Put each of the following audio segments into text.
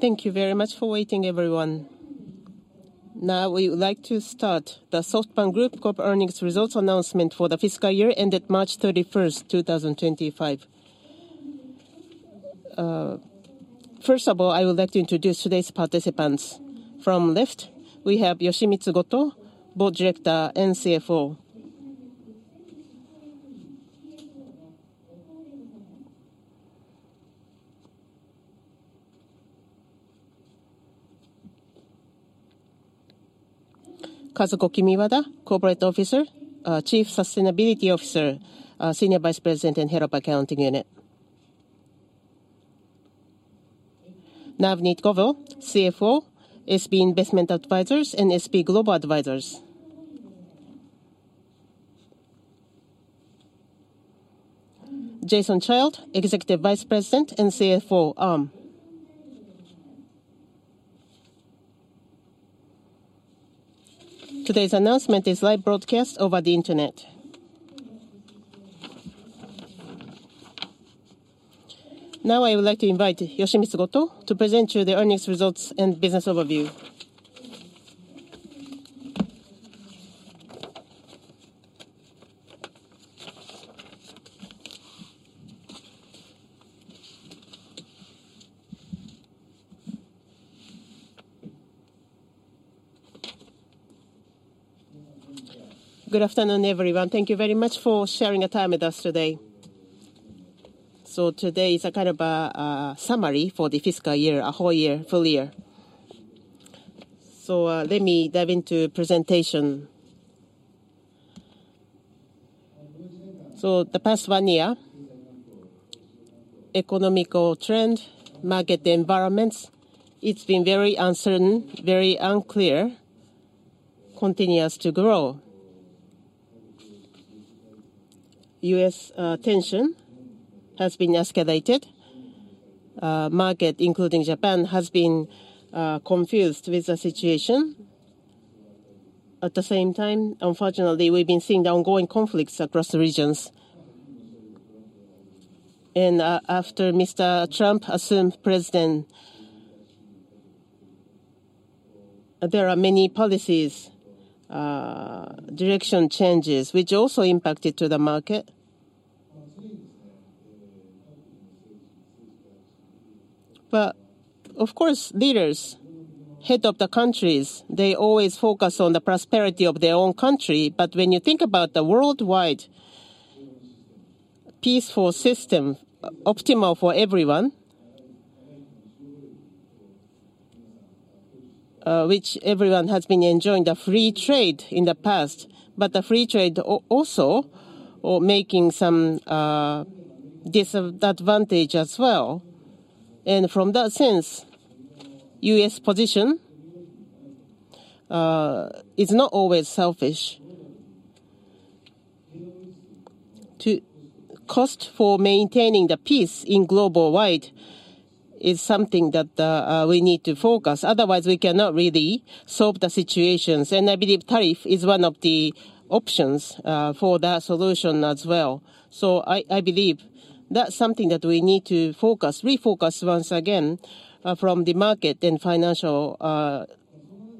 Thank you very much for waiting, everyone. Now, we would like to start the SoftBank Group earnings results announcement for the fiscal year ended March 31, 2025. First of all, I would like to introduce today's participants. From left, we have Yoshimitsu Goto, Board Director and CFO. Kazuko Kimiwada, Corporate Officer, Chief Sustainability Officer, Senior Vice President and Head of Accounting Unit. Navneet Govil, CFO, SB Investment Advisors and SB Global Advisors. Jason Child, Executive Vice President and CFO. Today's announcement is live broadcast over the Internet. Now, I would like to invite Yoshimitsu Goto to present you the earnings results and business overview. Good afternoon, everyone. Thank you very much for sharing your time with us today. Today is a kind of a summary for the fiscal year, a whole year, full year. Let me dive into the presentation. The past one year, economical trend, market environments, it's been very uncertain, very unclear, continues to grow. U.S. tension has been escalated. Market, including Japan, has been confused with the situation. At the same time, unfortunately, we've been seeing ongoing conflicts across the regions. After Mr. Trump assumed president, there are many policies, direction changes, which also impacted the market. Of course, leaders, head of the countries, they always focus on the prosperity of their own country. When you think about the worldwide, peaceful system, optimal for everyone, which everyone has been enjoying the free trade in the past, the free trade also makes some disadvantage as well. From that sense, U.S. position is not always selfish. Cost for maintaining the peace in global wide is something that we need to focus. Otherwise, we cannot really solve the situations. I believe tariff is one of the options for that solution as well. I believe that's something that we need to focus, refocus once again from the market and financial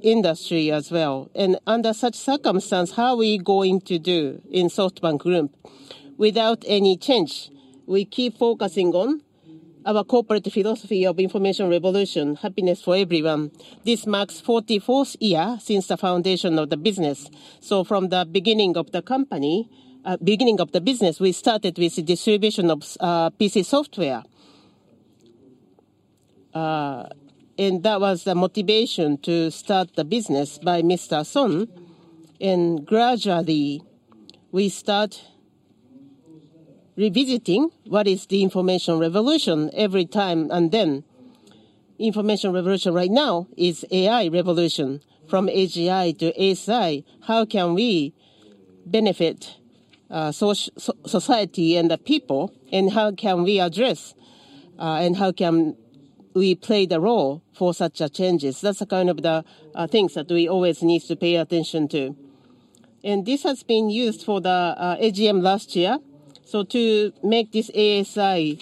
industry as well. Under such circumstance, how are we going to do in SoftBank Group without any change? We keep focusing on our corporate philosophy of information revolution, happiness for everyone. This marks the 44th year since the foundation of the business. From the beginning of the company, beginning of the business, we started with the distribution of PC software. That was the motivation to start the business by Mr. Son. Gradually, we start revisiting what is the information revolution every time. The information revolution right now is AI revolution from AGI to ASI. How can we benefit society and the people? How can we address, and how can we play the role for such changes? That's the kind of the things that we always need to pay attention to. This has been used for the AGM last year. To make this ASI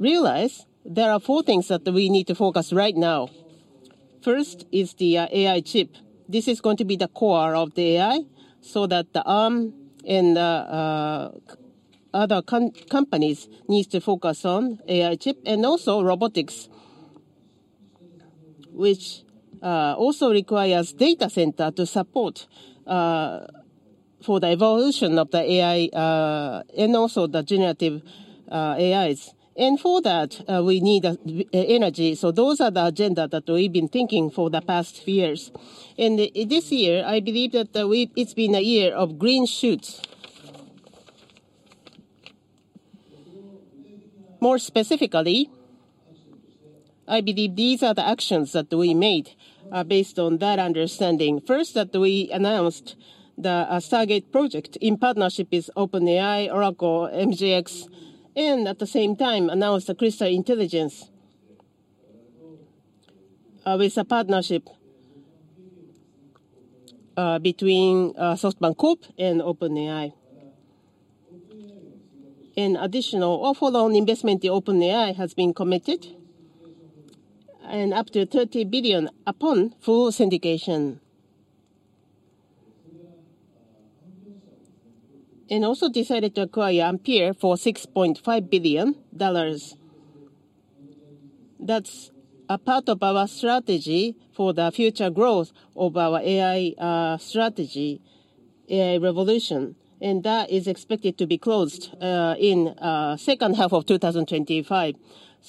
realize, there are four things that we need to focus right now. First is the AI chip. This is going to be the core of the AI so that Arm and other companies need to focus on AI chip and also robotics, which also requires data center to support for the evolution of the AI and also the generative AIs. For that, we need energy. Those are the agenda that we've been thinking for the past few years. This year, I believe that it's been a year of green shoots. More specifically, I believe these are the actions that we made based on that understanding. First, that we announced the Stargate project in partnership with OpenAI, Oracle, MGX, and at the same time, announced the Crystal Intelligence with a partnership between SoftBank Group and OpenAI. An additional off-loan investment to OpenAI has been committed and up to $30 billion upon full syndication. We also decided to acquire Ampere for $6.5 billion. That's a part of our strategy for the future growth of our AI strategy, AI revolution. That is expected to be closed in the second half of 2025.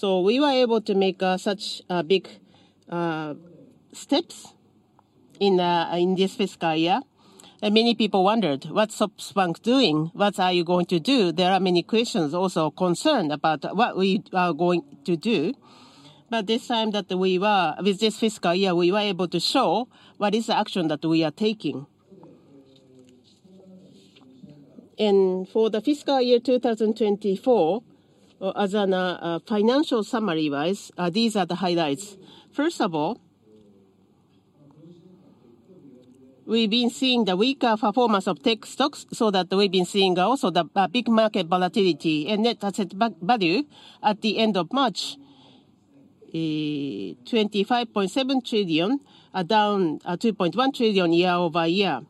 We were able to make such big steps in this fiscal year. Many people wondered, what's SoftBank doing? What are you going to do? There are many questions also concerned about what we are going to do. This time with this fiscal year, we were able to show what is the action that we are taking. For the fiscal year 2024, as a financial summary wise, these are the highlights. First of all, we've been seeing the weaker performance of tech stocks so that we've been seeing also the big market volatility and net asset value at the end of March, 25.7 trillion, down 2.1 trillion year over year.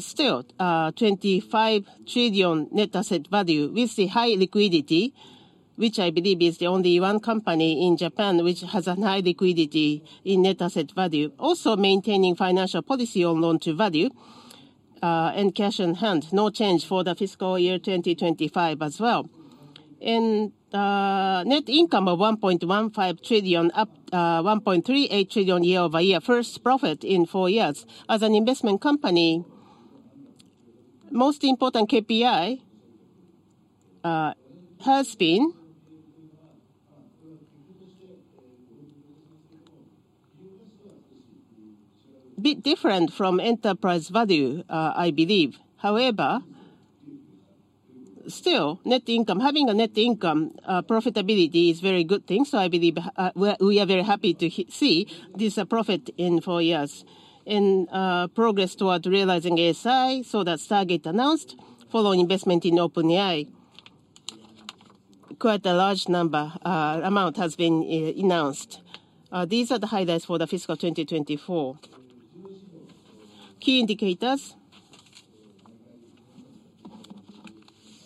Still, 25 trillion net asset value with the high liquidity, which I believe is the only one company in Japan which has a high liquidity in net asset value, also maintaining financial policy on loan to value and cash in hand, no change for the fiscal year 2025 as well. Net income of 1.15 trillion, up 1.38 trillion year over year, first profit in four years as an investment company. Most important KPI has been a bit different from enterprise value, I believe. However, still, net income, having a net income profitability is a very good thing. I believe we are very happy to see this profit in four years and progress toward realizing ASI, so that is target announced following investment in OpenAI. Quite a large number amount has been announced. These are the highlights for the fiscal 2024. Key indicators.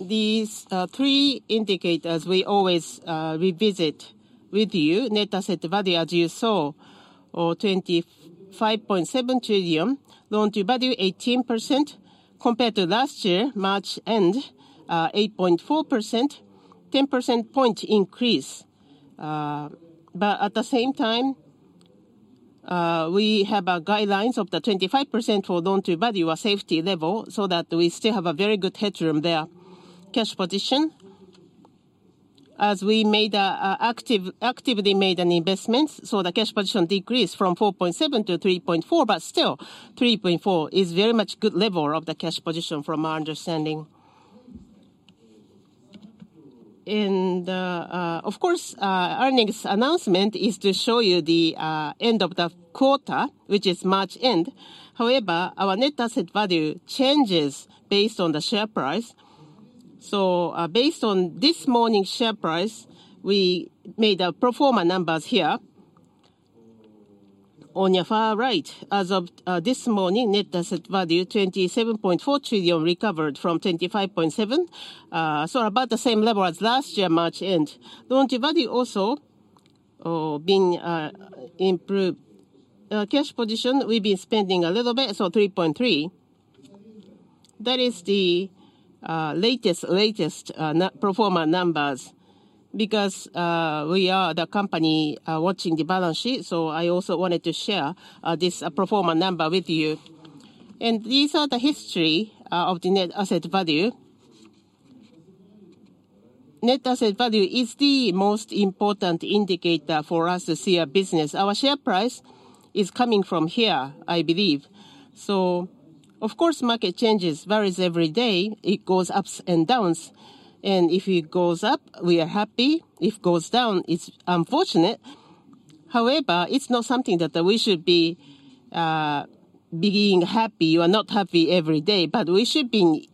These three indicators we always revisit with you. Net asset value, as you saw, 25.7 trillion, loan to value 18% compared to last year, March end, 8.4%, 10% point increase. At the same time, we have guidelines of the 25% for loan to value or safety level so that we still have a very good headroom there. Cash position, as we actively made an investment, so the cash position decreased from 4.7 trillion-3.4 trillion, but still 3.4 trillion is very much good level of the cash position from our understanding. Of course, earnings announcement is to show you the end of the quarter, which is March end. However, our net asset value changes based on the share price. Based on this morning's share price, we made a pro forma numbers here on your far right. As of this morning, net asset value 27.4 trillion recovered from 25.7 trillion, so about the same level as last year, March end. Loan to value also been improved. Cash position, we've been spending a little bit, so 3.3 trillion. That is the latest, latest performer numbers because we are the company watching the balance sheet. I also wanted to share this performer number with you. And these are the history of the net asset value. Net asset value is the most important indicator for us to see a business. Our share price is coming from here, I believe. Of course, market changes varies every day. It goes ups and downs. If it goes up, we are happy. If it goes down, it's unfortunate. However, it's not something that we should be being happy or not happy every day. We should be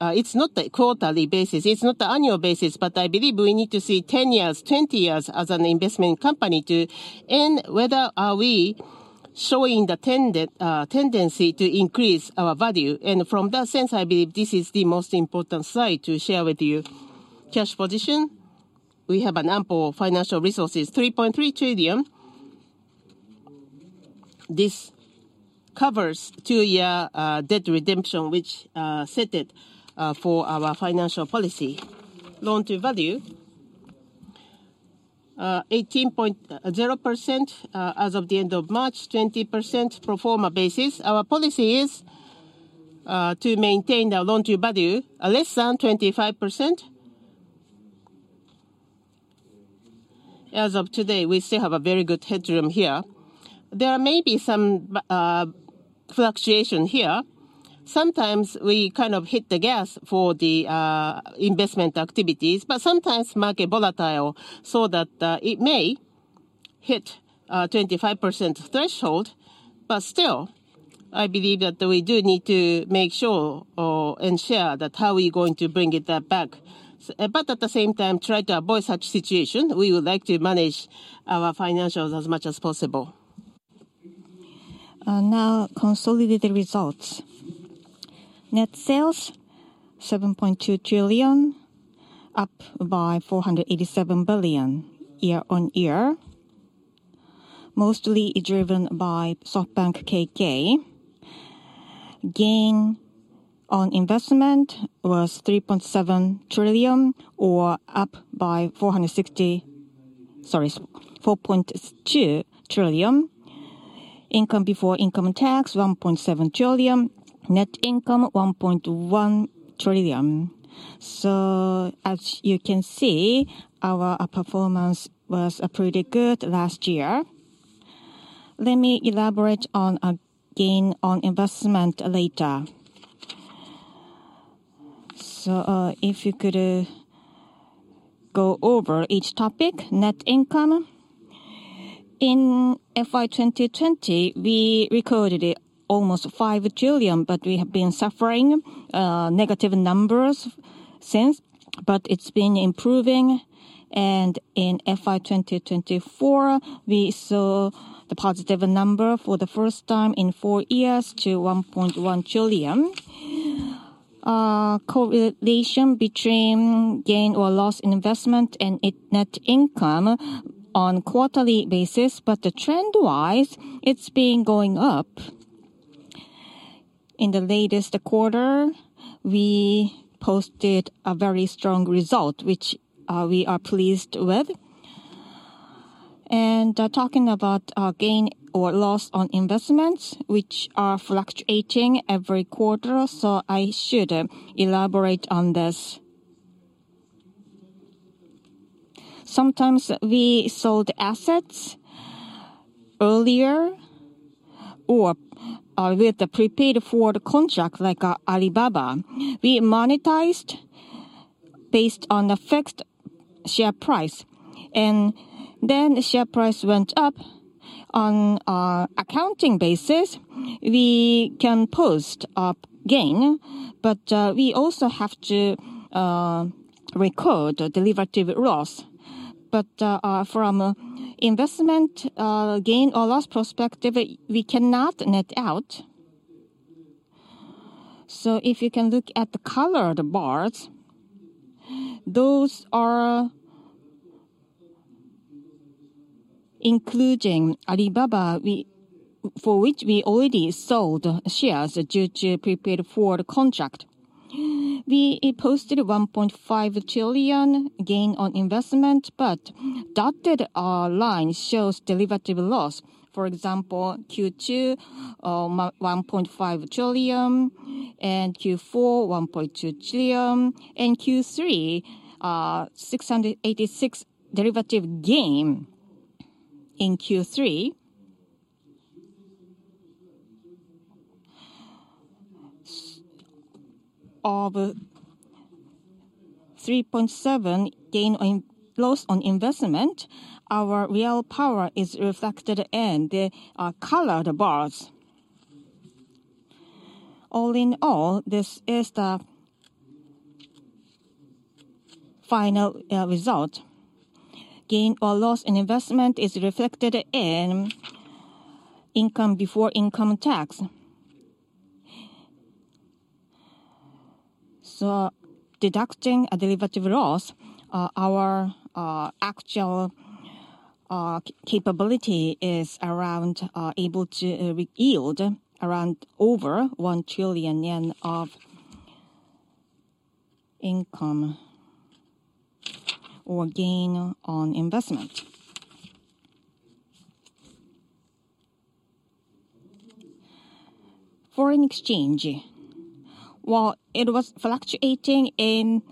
it's not the quarterly basis. It's not the annual basis. I believe we need to see 10 years, 20 years as an investment company to end whether are we showing the tendency to increase our value. From that sense, I believe this is the most important slide to share with you. Cash position, we have ample financial resources, 3.3 trillion. This covers two-year debt redemption, which set it for our financial policy. Loan to value, 18.0% as of the end of March, 20% pro forma basis. Our policy is to maintain our loan to value less than 25%. As of today, we still have a very good headroom here. There may be some fluctuation here. Sometimes we kind of hit the gas for the investment activities, but sometimes market volatile so that it may hit 25% threshold. Still, I believe that we do need to make sure and share that how we're going to bring it back. At the same time, try to avoid such situation. We would like to manage our financials as much as possible. Now, consolidated results. Net sales, 7.2 trillion, up by 487 billion year on year, mostly driven by SoftBank Corp. Gain on investment was 3.7 trillion or up by 460 billion, sorry, 4.2 trillion. Income before income tax, 1.7 trillion. Net income, 1.1 trillion. As you can see, our performance was pretty good last year. Let me elaborate on gain on investment later. If you could go over each topic, net income. In FY 2020, we recorded almost 5 trillion, but we have been suffering negative numbers since. It's been improving. In FY 2024, we saw the positive number for the first time in four years to 1.1 trillion. There is a correlation between gain or loss investment and net income on a quarterly basis, but trend-wise, it has been going up. In the latest quarter, we posted a very strong result, which we are pleased with. Talking about gain or loss on investments, which are fluctuating every quarter, I should elaborate on this. Sometimes we sold assets earlier or with the prepaid forward contract like Alibaba. We monetized based on the fixed share price. Then the share price went up on an accounting basis. We can post up gain, but we also have to record delivery loss. From investment gain or loss perspective, we cannot net out. If you can look at the colored bars, those are including Alibaba, for which we already sold shares due to prepaid forward contract. We posted 1.5 trillion gain on investment, but dotted line shows delivery loss. For example, Q2, 1.5 trillion, and Q4, 1.2 trillion, and Q3, 686 billion delivery gain in Q3 of 3.7 trillion gain on loss on investment. Our real power is reflected in the colored bars. All in all, this is the final result. Gain or loss in investment is reflected in income before income tax. Deducting delivery loss, our actual capability is around able to yield around over 1 trillion yen of income or gain on investment. Foreign exchange, while it was fluctuating in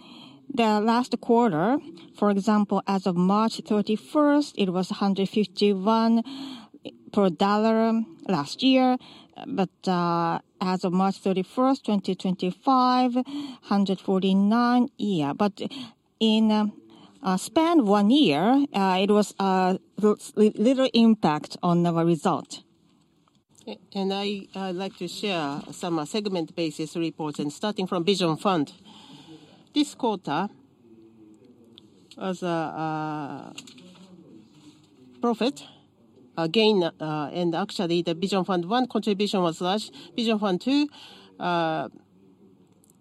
the last quarter, for example, as of March 31, it was 151 per dollar last year. As of March 31, 2025, JPY 149 per dollar. In span one year, it was a little impact on the result. I'd like to share some segment basis reports, starting from Vision Fund. This quarter was a profit gain, and actually the Vision Fund 1 contribution was large. Vision Fund 2,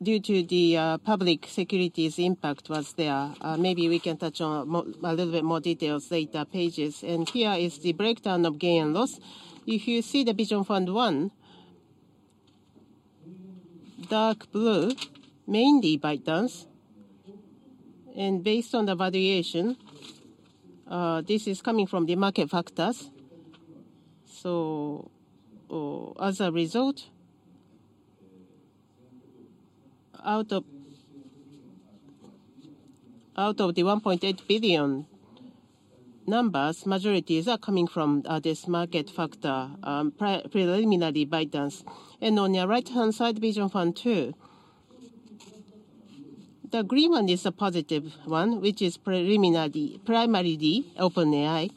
due to the public securities impact, was there. Maybe we can touch on a little bit more details later pages. Here is the breakdown of gain and loss. If you see the Vision Fund 1, dark blue, mainly ByteDance. Based on the valuation, this is coming from the market factors. As a result, out of the $1.8 billion numbers, majorities are coming from this market factor, preliminary ByteDance. On your right-hand side, Vision Fund 2. The agreement is a positive one, which is preliminary, primarily OpenAI.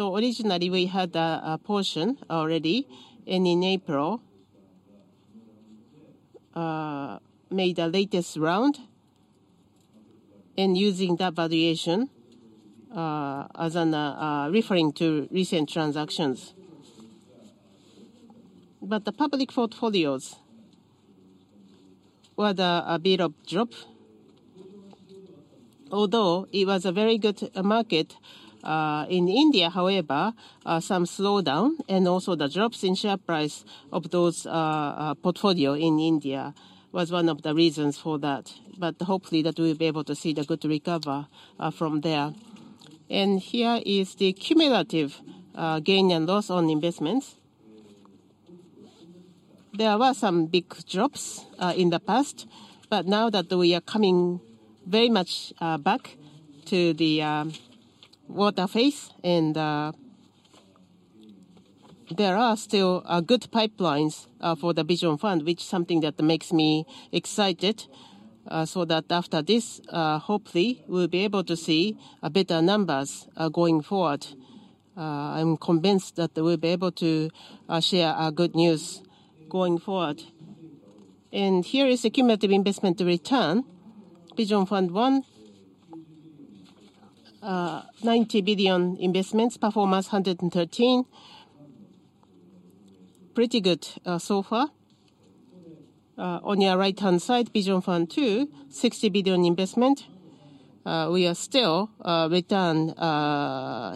Originally we had a portion already, and in April made the latest round. Using that valuation as referring to recent transactions. The public portfolios were a bit of a drop. Although it was a very good market in India, however, some slowdown and also the drops in share price of those portfolios in India was one of the reasons for that. Hopefully, we'll be able to see the good recover from there. Here is the cumulative gain and loss on investments. There were some big drops in the past, but now that we are coming very much back to the water phase, and there are still good pipelines for the Vision Fund, which is something that makes me excited. After this, hopefully we'll be able to see better numbers going forward. I'm convinced that we'll be able to share good news going forward. Here is the cumulative investment return. Vision Fund 1, $90 billion investments, performance $113 billion. Pretty good so far. On your right-hand side, Vision Fund 2, $60 billion investment. We are still return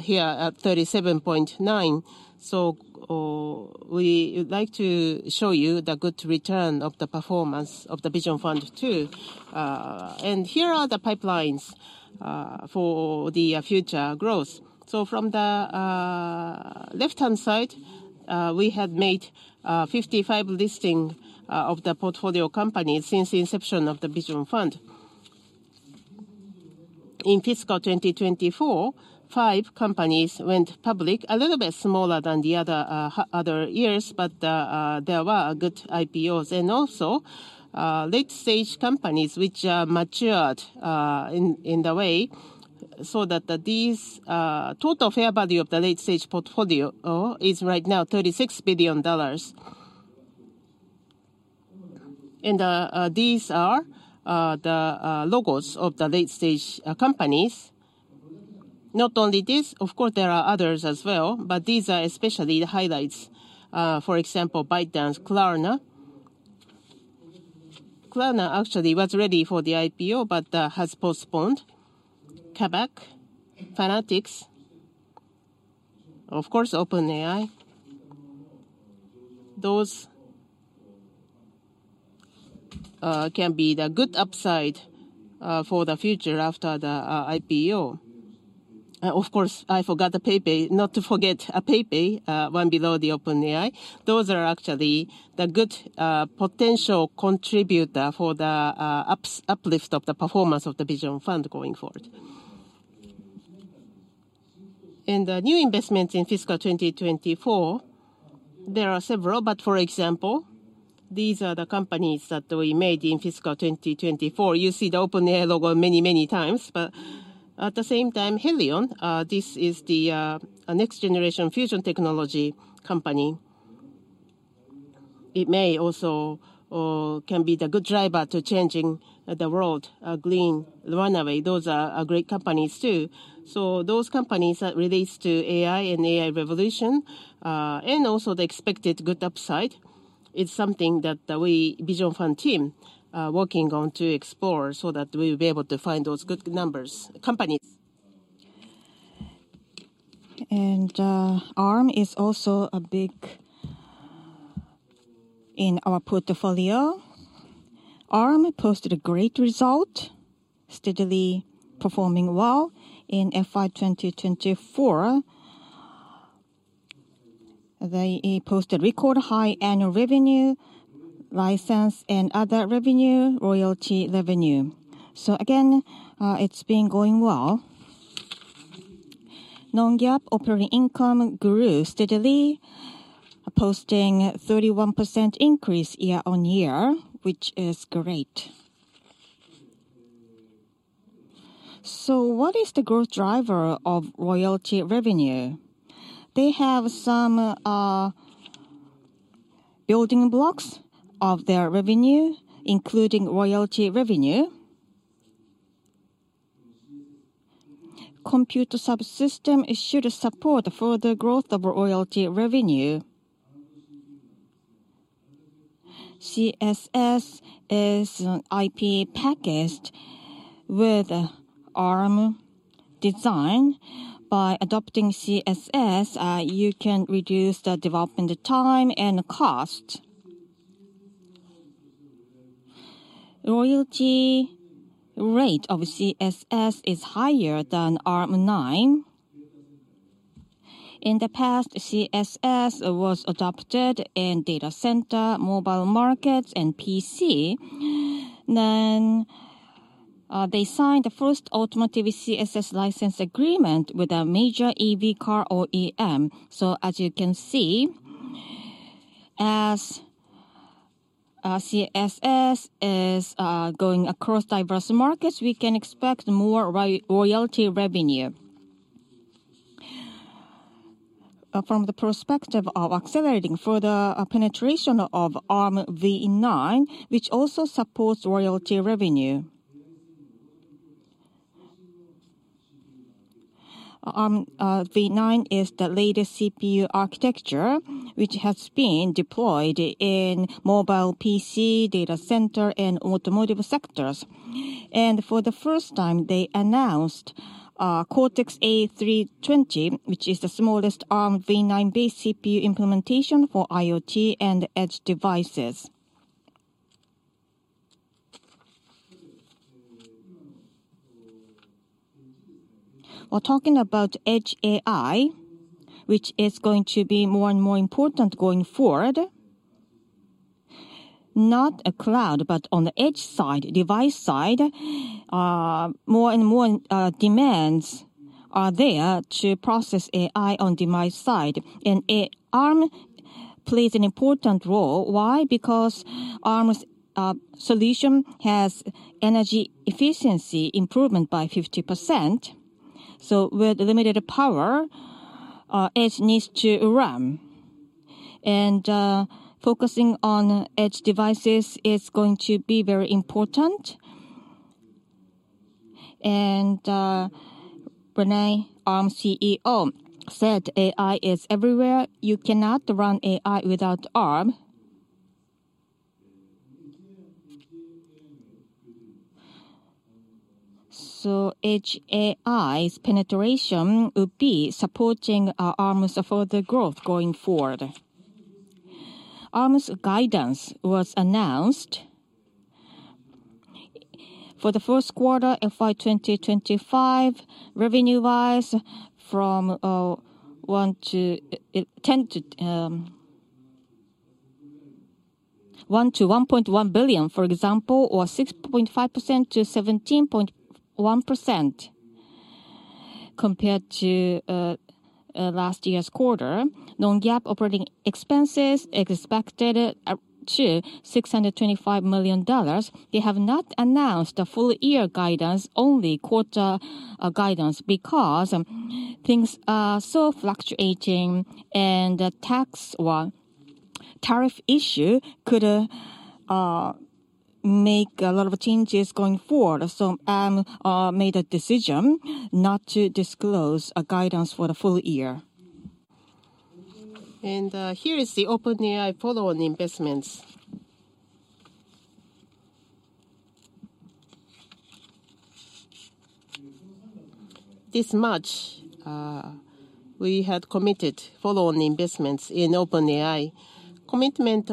here at $37.9 billion. We like to show you the good return of the performance of the Vision Fund 2. Here are the pipelines for the future growth. From the left-hand side, we had made 55 listings of the portfolio companies since the inception of the Vision Fund. In fiscal 2024, five companies went public, a little bit smaller than the other years, but there were good IPOs. Also, late-stage companies which matured in the way so that the total fair value of the late-stage portfolio is right now $36 billion. These are the logos of the late-stage companies. Not only this, of course, there are others as well, but these are especially the highlights. For example, ByteDance, Klarna. Klarna actually was ready for the IPO, but has postponed. Kabak, Fanatics. Of course, OpenAI. Those can be the good upside for the future after the IPO. Of course, I forgot the PayPay. Not to forget a PayPay one below the OpenAI. Those are actually the good potential contributor for the uplift of the performance of the Vision Fund going forward. The new investments in fiscal 2024, there are several, but for example, these are the companies that we made in fiscal 2024. You see the OpenAI logo many, many times, but at the same time, Helion, this is the next generation fusion technology company. It may also can be the good driver to changing the world, Green Runaway. Those are great companies too. Those companies that relate to AI and AI revolution, and also the expected good upside, it's something that we, Vision Fund team, are working on to explore so that we will be able to find those good numbers, companies. ARM is also big in our portfolio. ARM posted a great result, steadily performing well in FY 2024. They posted record high annual revenue, license and other revenue, royalty revenue. Again, it's been going well. Non-GAAP operating income grew steadily, posting a 31% increase year on year, which is great. What is the growth driver of royalty revenue? They have some building blocks of their revenue, including royalty revenue. Compute Subsystem should support further growth of royalty revenue. CSS is an IP package with ARM design. By adopting CSS, you can reduce the development time and cost. Royalty rate of CSS is higher than Armv9. In the past, CSS was adopted in data center, mobile markets, and PC. They signed the first automotive CSS license agreement with a major EV car OEM. As you can see, as CSS is going across diverse markets, we can expect more royalty revenue. From the perspective of accelerating further penetration of Armv9, which also supports royalty revenue. Armv9 is the latest CPU architecture, which has been deployed in mobile, PC, data center, and automotive sectors. For the first time, they announced Cortex-A320, which is the smallest Armv9-based CPU implementation for IoT and edge devices. We're talking about edge AI, which is going to be more and more important going forward. Not a cloud, but on the edge side, device side, more and more demands are there to process AI on the device side. Arm plays an important role. Why? Because Arm's solution has energy efficiency improvement by 50%. With limited power, edge needs to run. Focusing on edge devices is going to be very important. Rene, Arm CEO, said AI is everywhere. You cannot run AI without Arm. Edge AI's penetration would be supporting Arm's further growth going forward. Arm's guidance was announced for the first quarter of 2025, revenue-wise from $1 billion-$1.1 billion, for example, or 6.5%-17.1% compared to last year's quarter. Non-GAAP operating expenses expected to $625 million. They have not announced a full year guidance, only quarter guidance, because things are so fluctuating and the tax or tariff issue could make a lot of changes going forward. Arm made a decision not to disclose a guidance for the full year. Here is the OpenAI follow-on investments. This March, we had committed follow-on investments in OpenAI. Commitment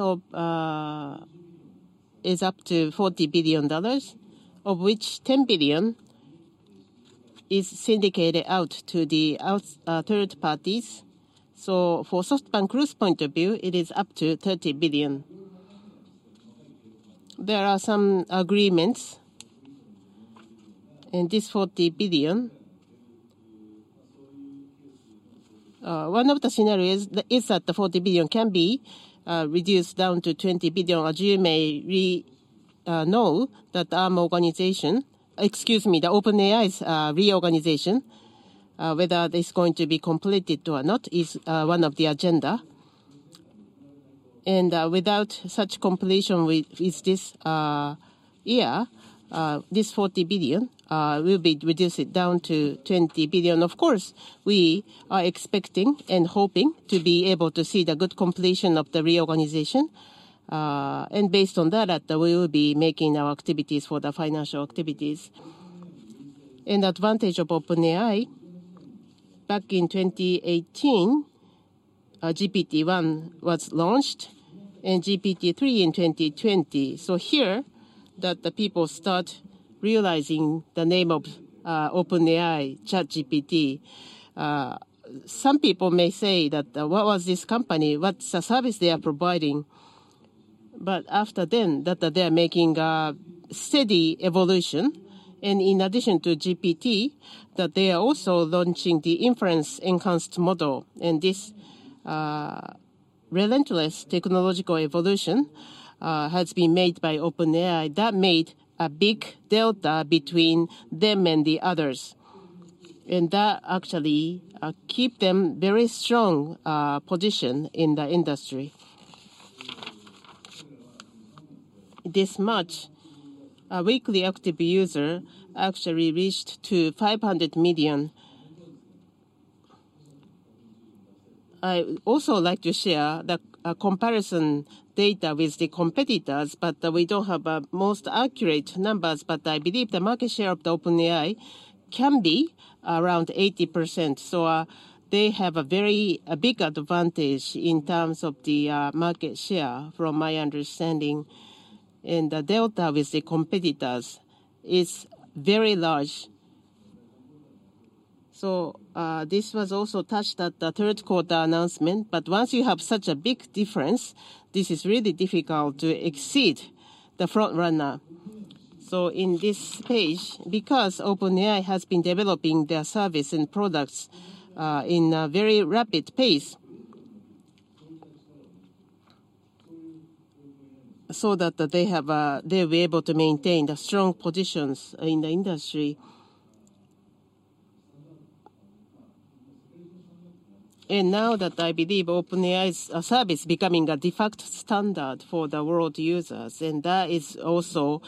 is up to $40 billion, of which $10 billion is syndicated out to third parties. For SoftBank Group's point of view, it is up to $30 billion. There are some agreements. This $40 billion, one of the scenarios is that the $40 billion can be reduced down to $20 billion, as you may know, that the OpenAI reorganization, whether it is going to be completed or not, is one of the agendas. Without such completion within this year, this $40 billion will be reduced down to $20 billion. Of course, we are expecting and hoping to be able to see the good completion of the reorganization. Based on that, we will be making our activities for the financial activities. An advantage of OpenAI, back in 2018, GPT-1 was launched and GPT-3 in 2020. Here that the people start realizing the name of OpenAI, ChatGPT. Some people may say that what was this company, what's the service they are providing? After then, that they are making a steady evolution. In addition to GPT, that they are also launching the inference-enhanced model. This relentless technological evolution has been made by OpenAI. That made a big delta between them and the others. That actually keeps them a very strong position in the industry. This March, a weekly active user actually reached to 500 million. I also like to share the comparison data with the competitors, but we don't have the most accurate numbers. I believe the market share of the OpenAI can be around 80%. They have a very big advantage in terms of the market share, from my understanding. The delta with the competitors is very large. This was also touched at the third quarter announcement. Once you have such a big difference, this is really difficult to exceed the front runner. In this stage, because OpenAI has been developing their service and products at a very rapid pace, they were able to maintain the strong positions in the industry. Now I believe OpenAI's service is becoming a de facto standard for the world users, and that is also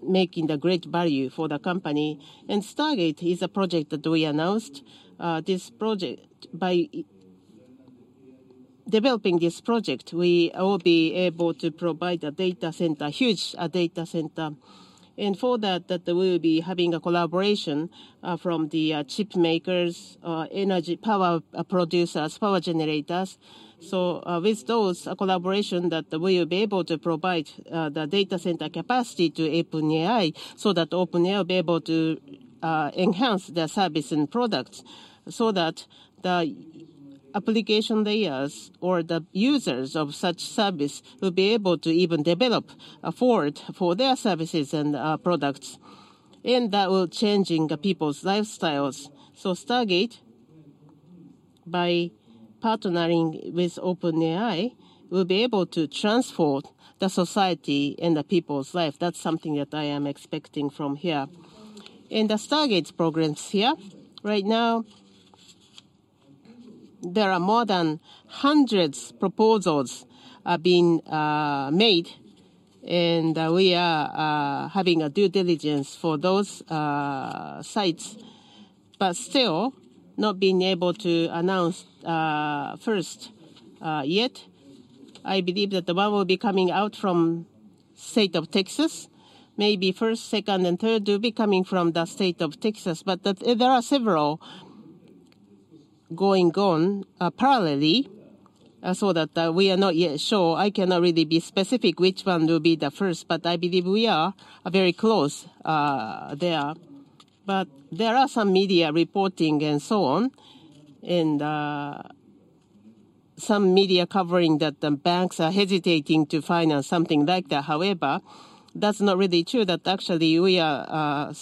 making a great value for the company. Stargate is a project that we announced. By developing this project, we will be able to provide a data center, huge data center. For that, we will be having a collaboration from the chip makers, energy power producers, power generators. With those collaborations, we will be able to provide the data center capacity to OpenAI so that OpenAI will be able to enhance their service and products so that the application layers or the users of such service will be able to even develop afford for their services and products. That will change people's lifestyles. Stargate, by partnering with OpenAI, will be able to transform the society and the people's life. That is something that I am expecting from here. The Stargate programs here, right now, there are more than hundreds of proposals being made. We are having a due diligence for those sites. Still, not being able to announce first yet. I believe that the one will be coming out from the state of Texas. Maybe first, second, and third will be coming from the state of Texas. There are several going on parallelly so that we are not yet sure. I cannot really be specific which one will be the first, but I believe we are very close there. There are some media reporting and so on, and some media covering that the banks are hesitating to finance something like that. However, that's not really true. Actually, we are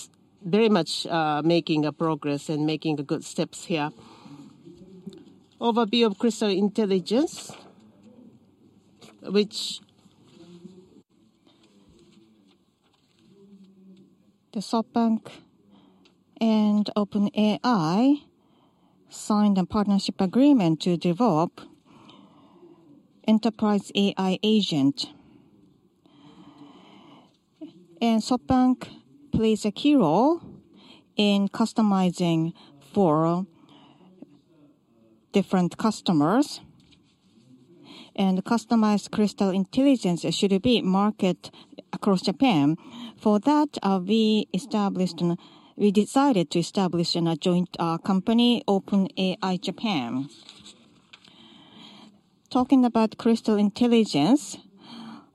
very much making progress and making good steps here. Overview of Crystal Intelligence, which SoftBank and OpenAI signed a partnership agreement to develop enterprise AI agent. SoftBank plays a key role in customizing for different customers. Customized Crystal Intelligence should be marketed across Japan. For that, we established and we decided to establish a joint company, OpenAI Japan. Talking about Crystal Intelligence,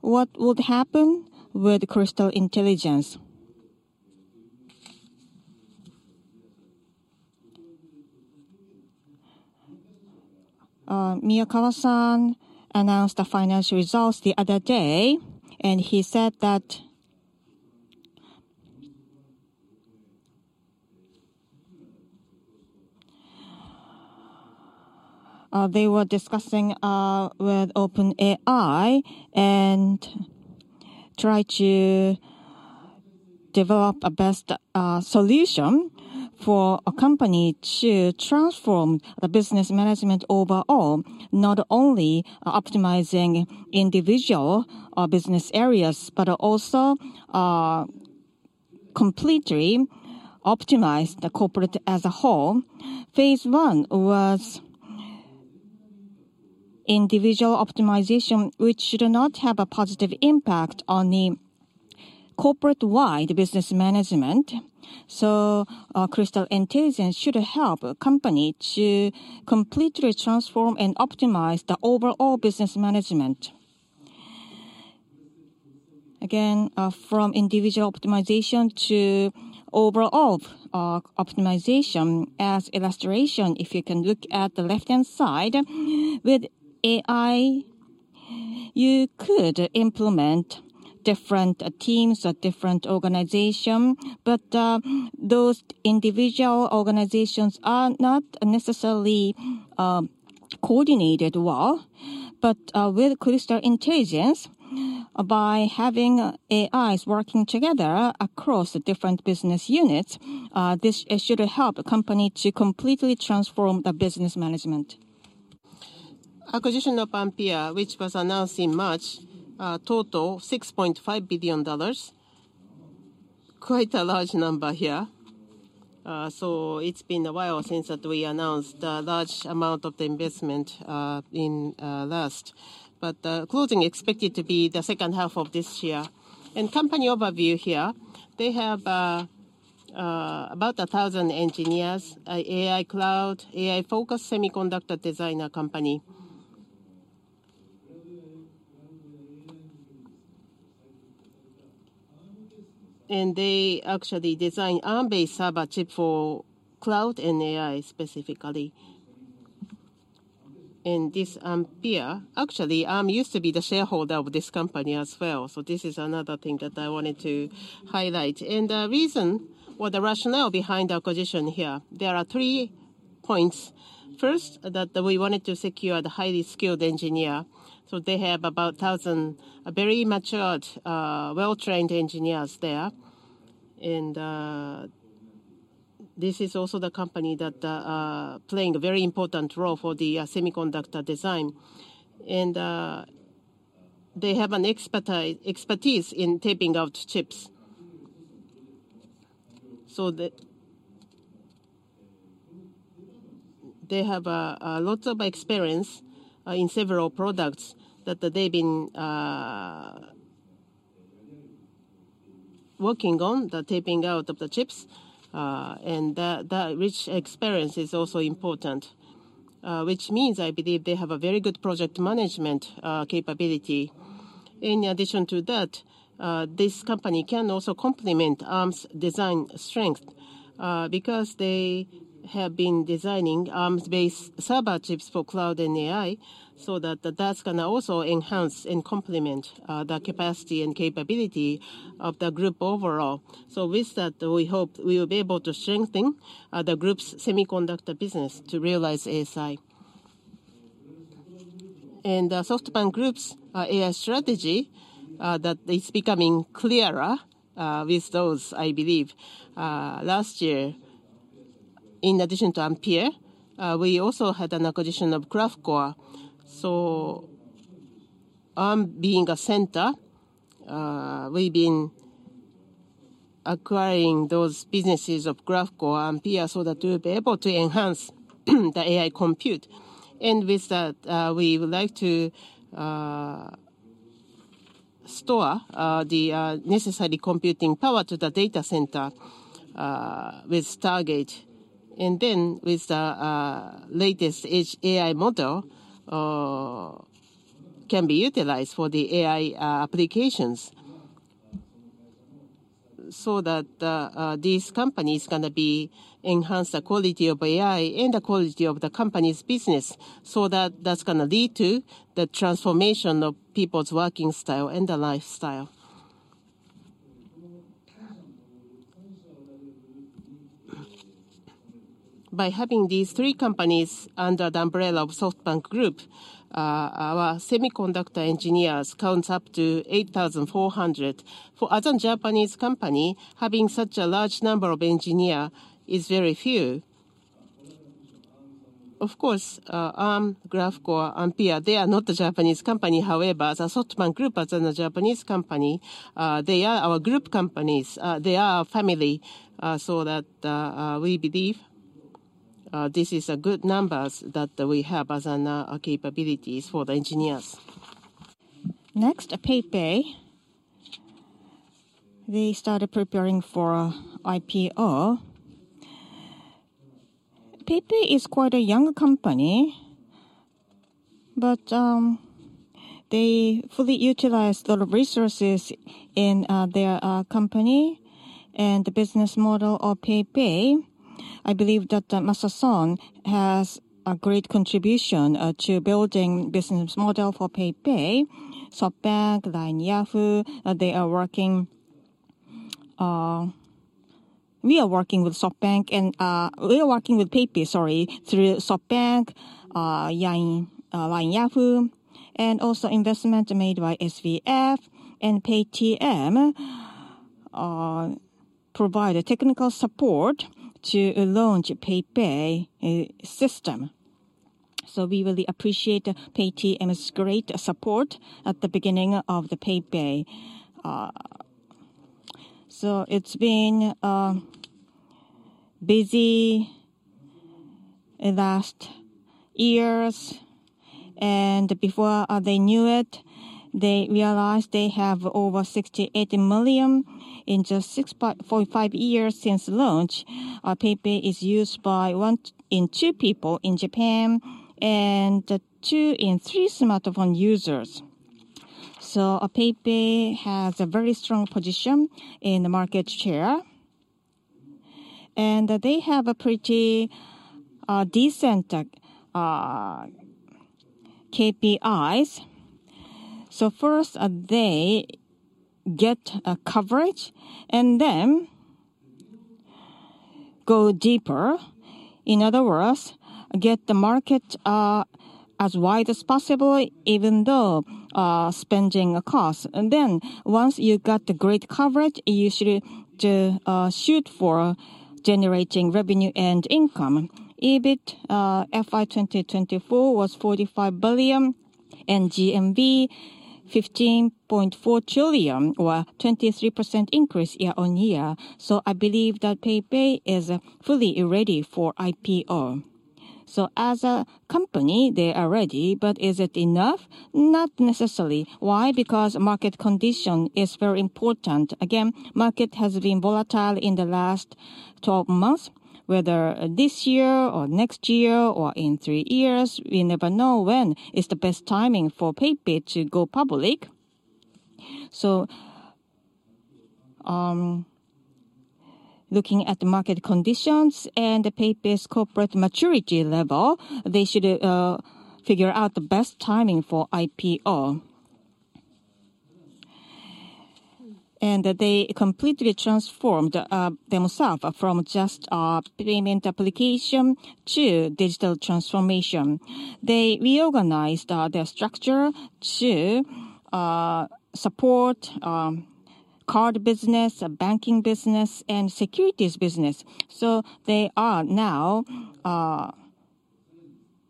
what would happen with Crystal Intelligence? Miyakawa-san announced the financial results the other day, and he said that they were discussing with OpenAI and trying to develop a best solution for a company to transform the business management overall, not only optimizing individual business areas, but also completely optimize the corporate as a whole. Phase one was individual optimization, which should not have a positive impact on the corporate-wide business management. So Crystal Intelligence should help a company to completely transform and optimize the overall business management. Again, from individual optimization to overall optimization, as illustration, if you can look at the left-hand side, with AI, you could implement different teams or different organizations. Those individual organizations are not necessarily coordinated well. With Crystal Intelligence, by having AIs working together across different business units, this should help a company to completely transform the business management. Acquisition of Ampere, which was announced in March, total $6.5 billion. Quite a large number here. It's been a while since we announced a large amount of the investment last. Closing is expected to be the second half of this year. Company overview here, they have about 1,000 engineers, an AI cloud, AI-focused semiconductor designer company. They actually design ARM-based server chips for cloud and AI specifically. Ampere, actually, Arm used to be the shareholder of this company as well. This is another thing that I wanted to highlight. The reason for the rationale behind the acquisition here, there are three points. First, that we wanted to secure the highly skilled engineers. They have about 1,000 very matured, well-trained engineers there. This is also the company that is playing a very important role for the semiconductor design. They have an expertise in taping out chips. They have lots of experience in several products that they've been working on, the taping out of the chips. That rich experience is also important, which means I believe they have a very good project management capability. In addition to that, this company can also complement Arm's design strength because they have been designing Arm-based server chips for cloud and AI, so that's going to also enhance and complement the capacity and capability of the group overall. With that, we hope we will be able to strengthen the group's semiconductor business to realize ASI. SoftBank Group's AI strategy, it's becoming clearer with those, I believe. Last year, in addition to Ampere, we also had an acquisition of Graphcore. ARM being a center, we've been acquiring those businesses of Graphcore and Ampere so that we'll be able to enhance the AI compute. With that, we would like to store the necessary computing power to the data center with Stargate. With the latest AI model, it can be utilized for the AI applications so that these companies are going to be enhancing the quality of AI and the quality of the company's business. That's going to lead to the transformation of people's working style and the lifestyle. By having these three companies under the umbrella of SoftBank Group, our semiconductor engineers count up to 8,400. For other Japanese companies, having such a large number of engineers is very few. Of course, ARM, Graphcore, Ampere, they are not a Japanese company. However, the SoftBank Group, as a Japanese company, they are our group companies. They are our family. We believe this is a good number that we have as our capabilities for the engineers. Next, PayPay. They started preparing for IPO. PayPay is quite a young company, but they fully utilize the resources in their company and the business model of PayPay. I believe that Masayoshi Son has a great contribution to building the business model for PayPay. SoftBank, Line Yahoo, they are working. We are working with SoftBank and we are working with PayPay, sorry, through SoftBank, Line Yahoo, and also investment made by SoftBank Vision Fund and Paytm provide technical support to launch PayPay system. We really appreciate Paytm's great support at the beginning of the PayPay. It has been busy in the last years. Before they knew it, they realized they have over 68 million in just 6.5 years since launch. PayPay is used by one in two people in Japan and two in three smartphone users. PayPay has a very strong position in the market share. They have pretty decent KPIs. First, they get coverage and then go deeper. In other words, get the market as wide as possible, even though spending costs. Once you got the great coverage, you should shoot for generating revenue and income. EBIT for fiscal year 2024 was 45 billion and GMV 15.4 trillion, or 23% increase year on year. I believe that PayPay is fully ready for IPO. As a company, they are ready, but is it enough? Not necessarily. Why? Because market condition is very important. Again, market has been volatile in the last 12 months, whether this year or next year or in three years. We never know when is the best timing for PayPay to go public. Looking at the market conditions and PayPay's corporate maturity level, they should figure out the best timing for IPO. They completely transformed themselves from just payment application to digital transformation. They reorganized their structure to support card business, banking business, and securities business. They are now a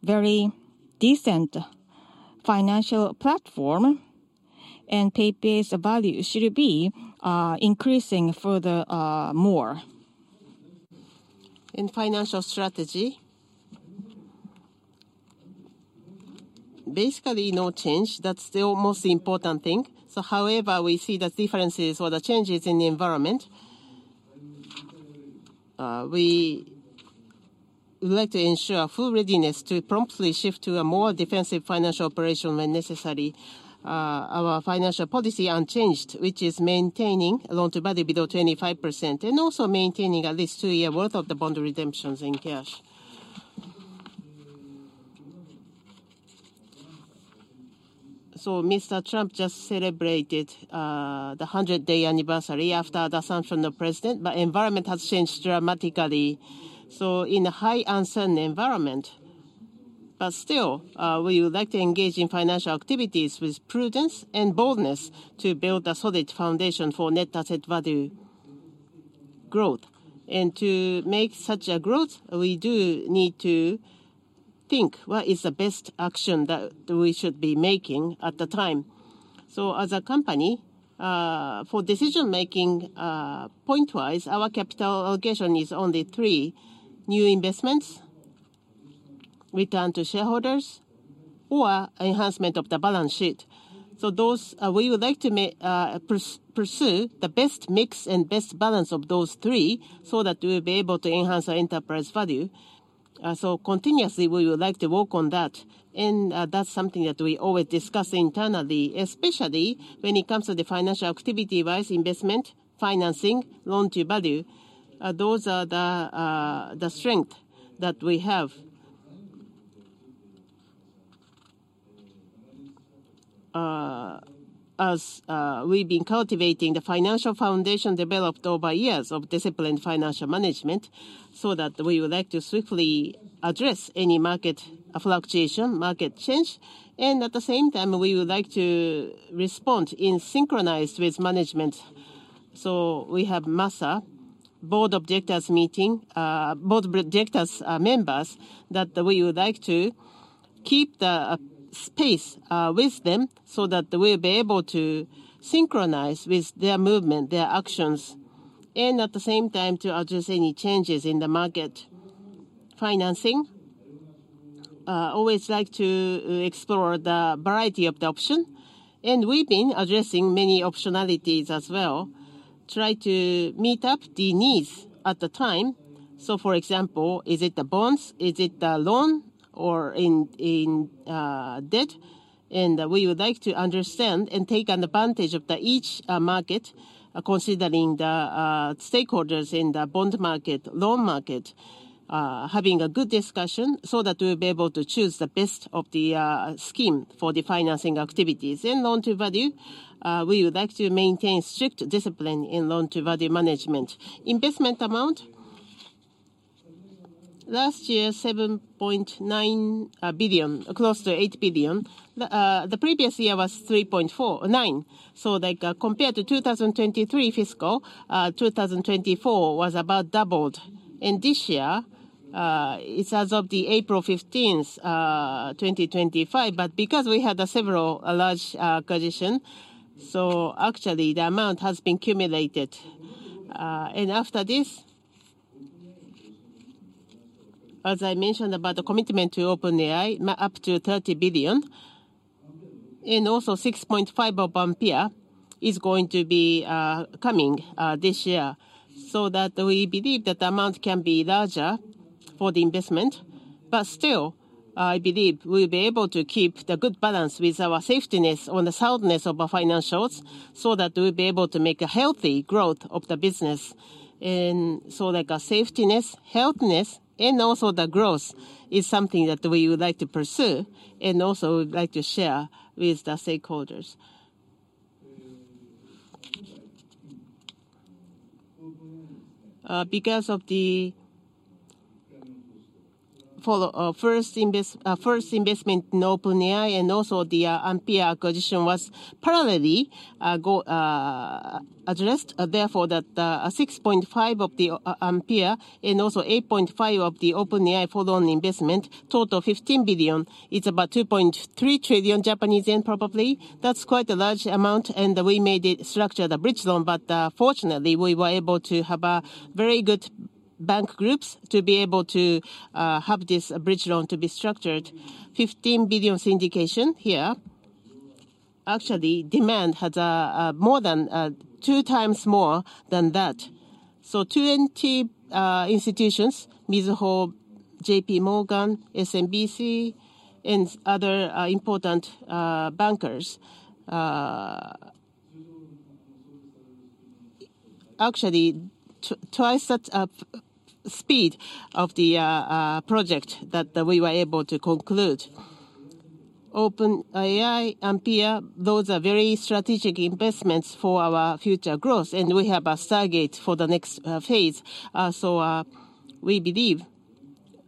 very decent financial platform, and PayPay's value should be increasing further more. In financial strategy, basically no change. That's the most important thing. However, we see the differences or the changes in the environment, we would like to ensure full readiness to promptly shift to a more defensive financial operation when necessary. Our financial policy unchanged, which is maintaining loan to body below 25% and also maintaining at least two-year worth of the bond redemptions in cash. Mr. Trump just celebrated the 100-day anniversary after the assumption of president, but the environment has changed dramatically. In a high-uncertain environment, we would like to engage in financial activities with prudence and boldness to build a solid foundation for net asset value growth. To make such a growth, we do need to think what is the best action that we should be making at the time. As a company, for decision-making point-wise, our capital allocation is only three: new investments, return to shareholders, or enhancement of the balance sheet. We would like to pursue the best mix and best balance of those three so that we will be able to enhance our enterprise value. Continuously, we would like to work on that. That is something that we always discuss internally, especially when it comes to the financial activity-wise investment, financing, loan to value. Those are the strengths that we have. As we have been cultivating the financial foundation developed over years of disciplined financial management, we would like to swiftly address any market fluctuation, market change. At the same time, we would like to respond in synchronized with management. We have MASA, board of directors meeting, board of directors members that we would like to keep the space with them so that we will be able to synchronize with their movement, their actions, and at the same time to address any changes in the market. Financing, always like to explore the variety of the option. We have been addressing many optionalities as well, trying to meet up the needs at the time. For example, is it the bonds? Is it the loan or in debt? We would like to understand and take advantage of each market, considering the stakeholders in the bond market, loan market, having a good discussion so that we will be able to choose the best of the scheme for the financing activities. Loan to value, we would like to maintain strict discipline in loan to value management. Investment amount, last year, $7.9 billion, close to $8 billion. The previous year was $3.49 billion. Compared to fiscal 2023, 2024 was about doubled. This year, as of April 15, 2025, because we had several large acquisitions, the amount has been cumulated. After this, as I mentioned about the commitment to OpenAI, up to $30 billion, and also $6.5 billion of Ampere is going to be coming this year. We believe that the amount can be larger for the investment. Still, I believe we'll be able to keep the good balance with our safetiness on the soundness of our financials so that we'll be able to make a healthy growth of the business. Like our safetiness, healthiness, and also the growth is something that we would like to pursue and also would like to share with the stakeholders. Because of the first investment in OpenAI and also the Ampere acquisition was parallelly addressed, therefore that $6.5 billion of the Ampere and also $8.5 billion of the OpenAI for loan investment, total $15 billion, it's about 2.3 trillion Japanese yen probably. That's quite a large amount, and we made it structured as a bridge loan, but fortunately we were able to have a very good bank group to be able to have this bridge loan structured. $15 billion syndication here. Actually, demand has more than two times more than that. So 20 institutions, Mizuho, JP Morgan, SMBC, and other important bankers. Actually, twice that speed of the project that we were able to conclude. OpenAI, Ampere, those are very strategic investments for our future growth, and we have a Stargate for the next phase. We believe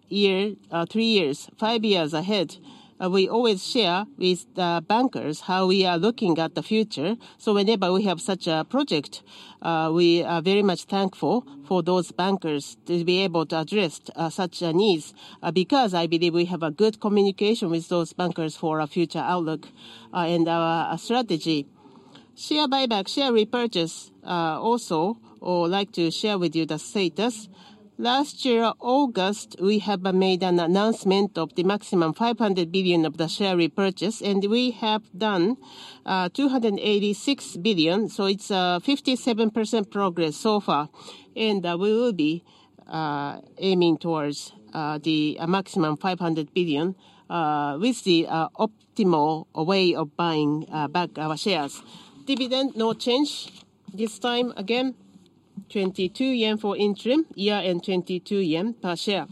three years, five years ahead, we always share with the bankers how we are looking at the future. Whenever we have such a project, we are very much thankful for those bankers to be able to address such needs because I believe we have a good communication with those bankers for our future outlook and our strategy. Share buyback, share repurchase, also like to share with you the status. Last year, August, we have made an announcement of the maximum 500 billion of the share repurchase, and we have done 286 billion. It is a 57% progress so far. We will be aiming towards the maximum 500 billion with the optimal way of buying back our shares. Dividend, no change. This time again, 22 yen for interim, year-end 22 yen per share.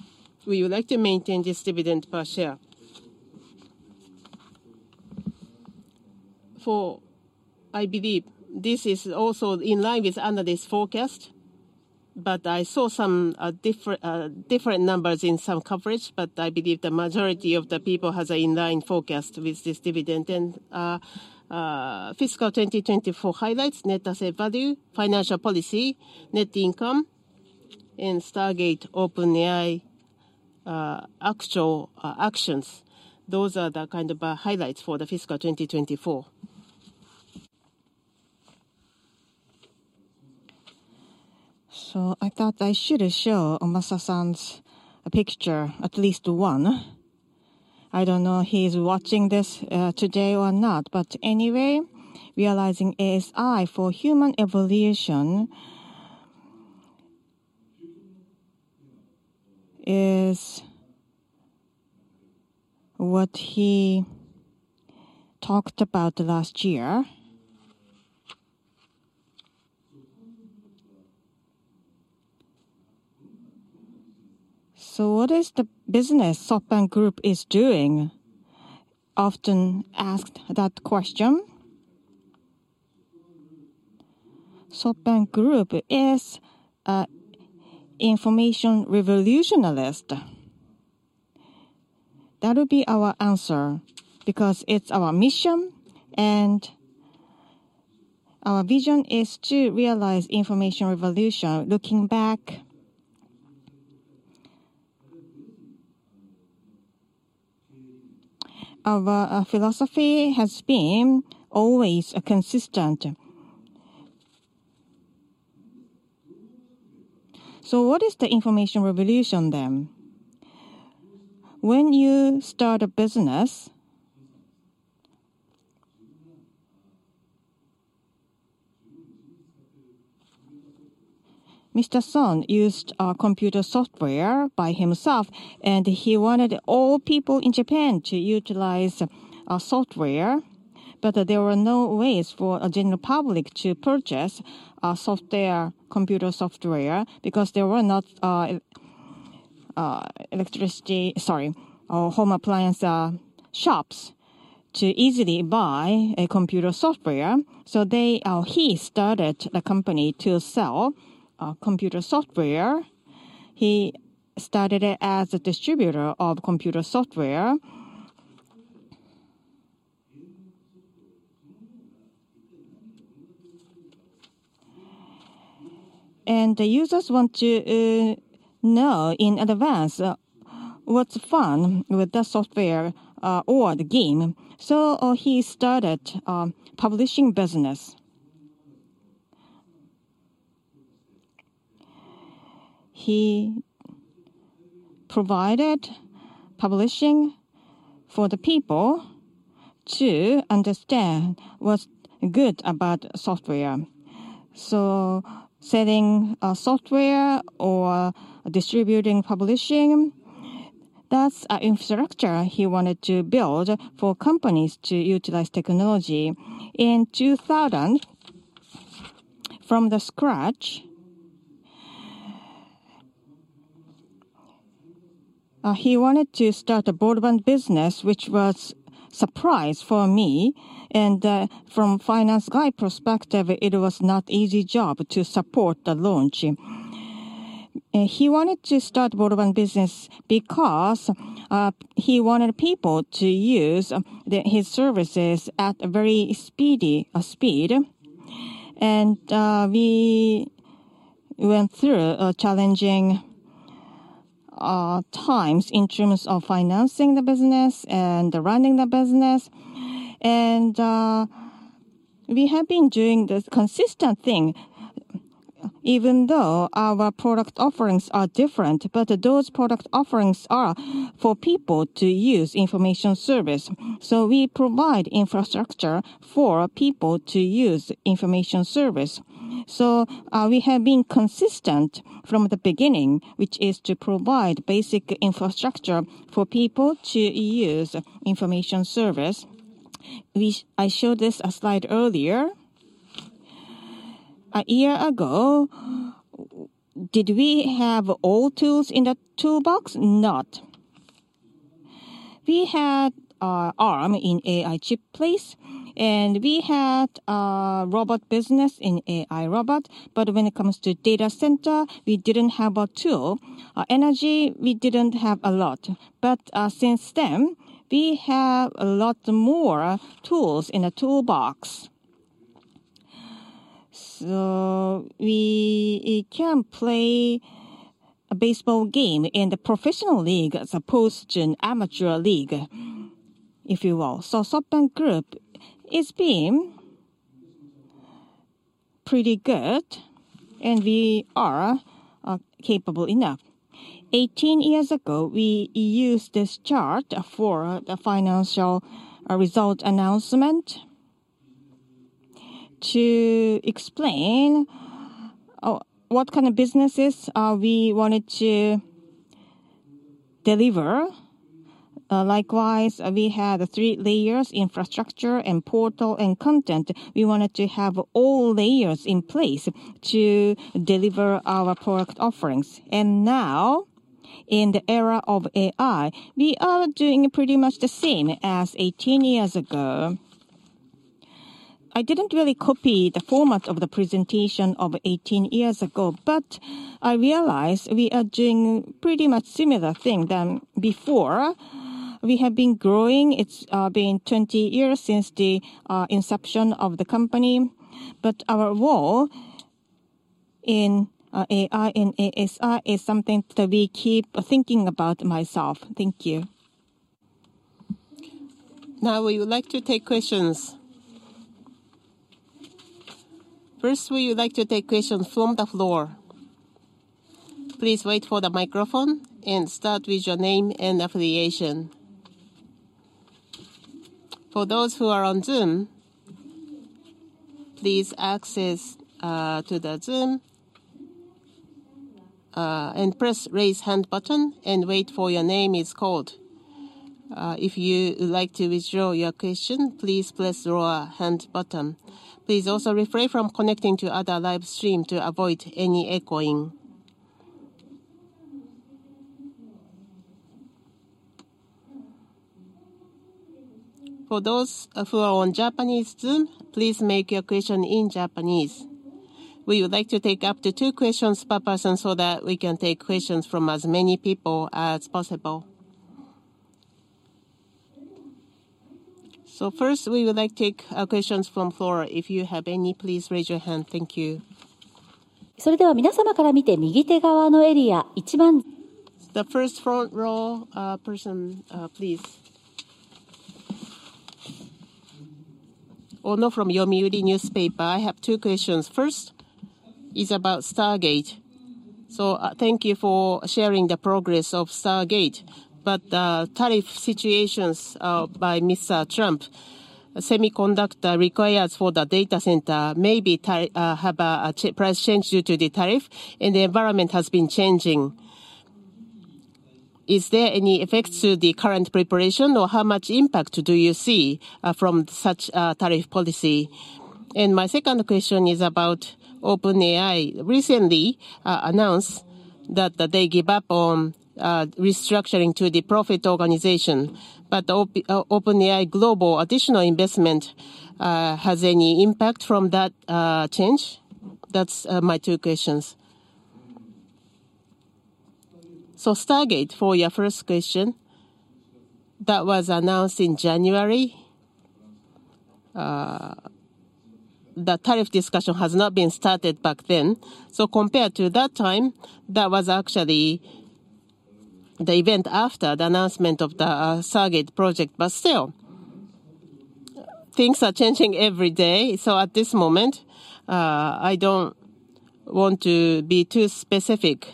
We would like to maintain this dividend per share. I believe this is also in line with analyst forecast, but I saw some different numbers in some coverage, but I believe the majority of the people have an inline forecast with this dividend. Fiscal 2024 highlights, net asset value, financial policy, net income, and Stargate OpenAI actual actions. Those are the kind of highlights for the fiscal 2024. I thought I should show Masasan's picture, at least one. I don't know if he's watching this today or not, but anyway, realizing ASI for human evolution is what he talked about last year. What is the business SoftBank Group is doing? Often asked that question. SoftBank Group is information revolutionalist. That would be our answer because it's our mission and our vision is to realize information revolution. Looking back, our philosophy has been always consistent. What is the information revolution then? When you start a business, Mr. Son used computer software by himself, and he wanted all people in Japan to utilize software. There were no ways for the general public to purchase software, computer software, because there were not electricity, sorry, or home appliance shops to easily buy computer software. He started the company to sell computer software. He started it as a distributor of computer software. The users want to know in advance what's fun with the software or the game. He started publishing business. He provided publishing for the people to understand what's good about software. Selling software or distributing publishing, that's an infrastructure he wanted to build for companies to utilize technology. In 2000, from scratch, he wanted to start a boardwalk business, which was a surprise for me. From a finance guy perspective, it was not an easy job to support the launch. He wanted to start boardwalk business because he wanted people to use his services at a very speedy speed. We went through challenging times in terms of financing the business and running the business. We have been doing this consistent thing, even though our product offerings are different, but those product offerings are for people to use information service. We provide infrastructure for people to use information service. We have been consistent from the beginning, which is to provide basic infrastructure for people to use information service. I showed this slide earlier. A year ago, did we have all tools in the toolbox? Not. We had Arm in AI chip place, and we had a robot business in AI robot. When it comes to data center, we did not have a tool. Energy, we did not have a lot. Since then, we have a lot more tools in a toolbox. We can play a baseball game in the professional league, as opposed to an amateur league, if you will. SoftBank Group has been pretty good, and we are capable enough. 18 years ago, we used this chart for the financial result announcement to explain what kind of businesses we wanted to deliver. Likewise, we had three layers: infrastructure, portal, and content. We wanted to have all layers in place to deliver our product offerings. Now, in the era of AI, we are doing pretty much the same as 18 years ago. I did not really copy the format of the presentation of 18 years ago, but I realized we are doing pretty much a similar thing than before. We have been growing. It has been 20 years since the inception of the company. Our role in AI and ASI is something that we keep thinking about myself. Thank you. Now, we would like to take questions. First, we would like to take questions from the floor. Please wait for the microphone and start with your name and affiliation. For those who are on Zoom, please access the Zoom and press the raise hand button and wait for your name to be called. If you would like to withdraw your question, please press the raise hand button. Please also refrain from connecting to other live streams to avoid any echoing. For those who are on Japanese Zoom, please make your question in Japanese. We would like to take up to two questions per person so that we can take questions from as many people as possible. First, we would like to take questions from the floor. If you have any, please raise your hand. Thank you. それでは皆様から見て右手側のエリア、一番. The first front row person, please. Oh, no, from Yomiuri Newspaper. I have two questions. First is about Stargate. Thank you for sharing the progress of Stargate. The tariff situations by Mr. Trump, semiconductor required for the data center, maybe have a price change due to the tariff, and the environment has been changing. Is there any effect to the current preparation, or how much impact do you see from such tariff policy? My second question is about OpenAI. Recently, they announced that they gave up on restructuring to the profit organization. OpenAI Global's additional investment, has any impact from that change? That's my two questions. Stargate for your first question. That was announced in January. The tariff discussion had not been started back then. Compared to that time, that was actually the event after the announcement of the Stargate project. Things are changing every day. At this moment, I do not want to be too specific.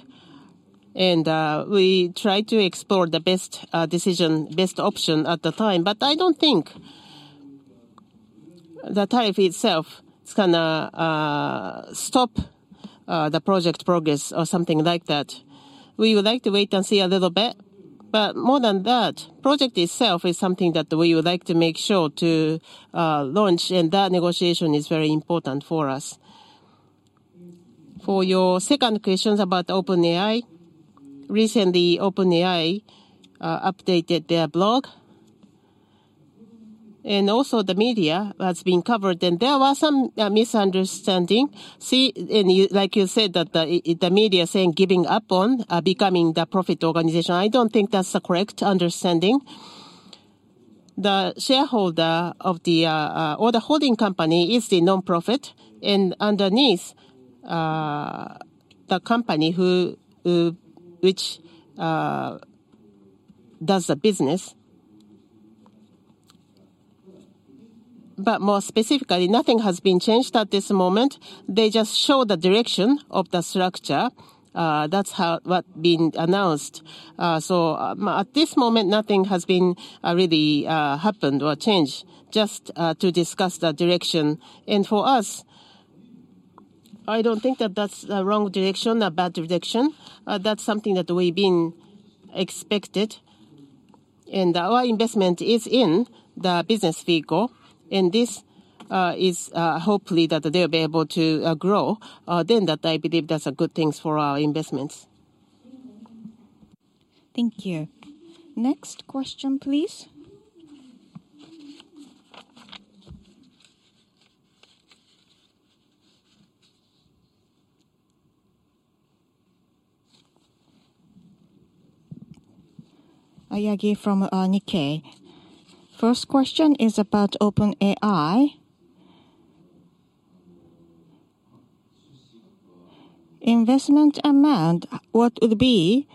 We try to explore the best decision, best option at the time. I do not think the tariff itself is going to stop the project progress or something like that. We would like to wait and see a little bit. More than that, the project itself is something that we would like to make sure to launch, and that negotiation is very important for us. For your second question about OpenAI, recently, OpenAI updated their blog. Also, the media has been covered, and there was some misunderstanding. Like you said, the media is saying giving up on becoming the profit organization. I do not think that is the correct understanding. The shareholder of the order holding company is the nonprofit, and underneath, the company which does the business. More specifically, nothing has been changed at this moment. They just show the direction of the structure. That is what has been announced. At this moment, nothing has really happened or changed, just to discuss the direction. For us, I do not think that is the wrong direction, a bad direction. That is something that we have been expected. Our investment is in the business vehicle. This is hopefully that they'll be able to grow, then that I believe that's a good thing for our investments. Thank you. Next question, please. Ayagi from Nikkei. First question is about OpenAI. Investment amount, what would be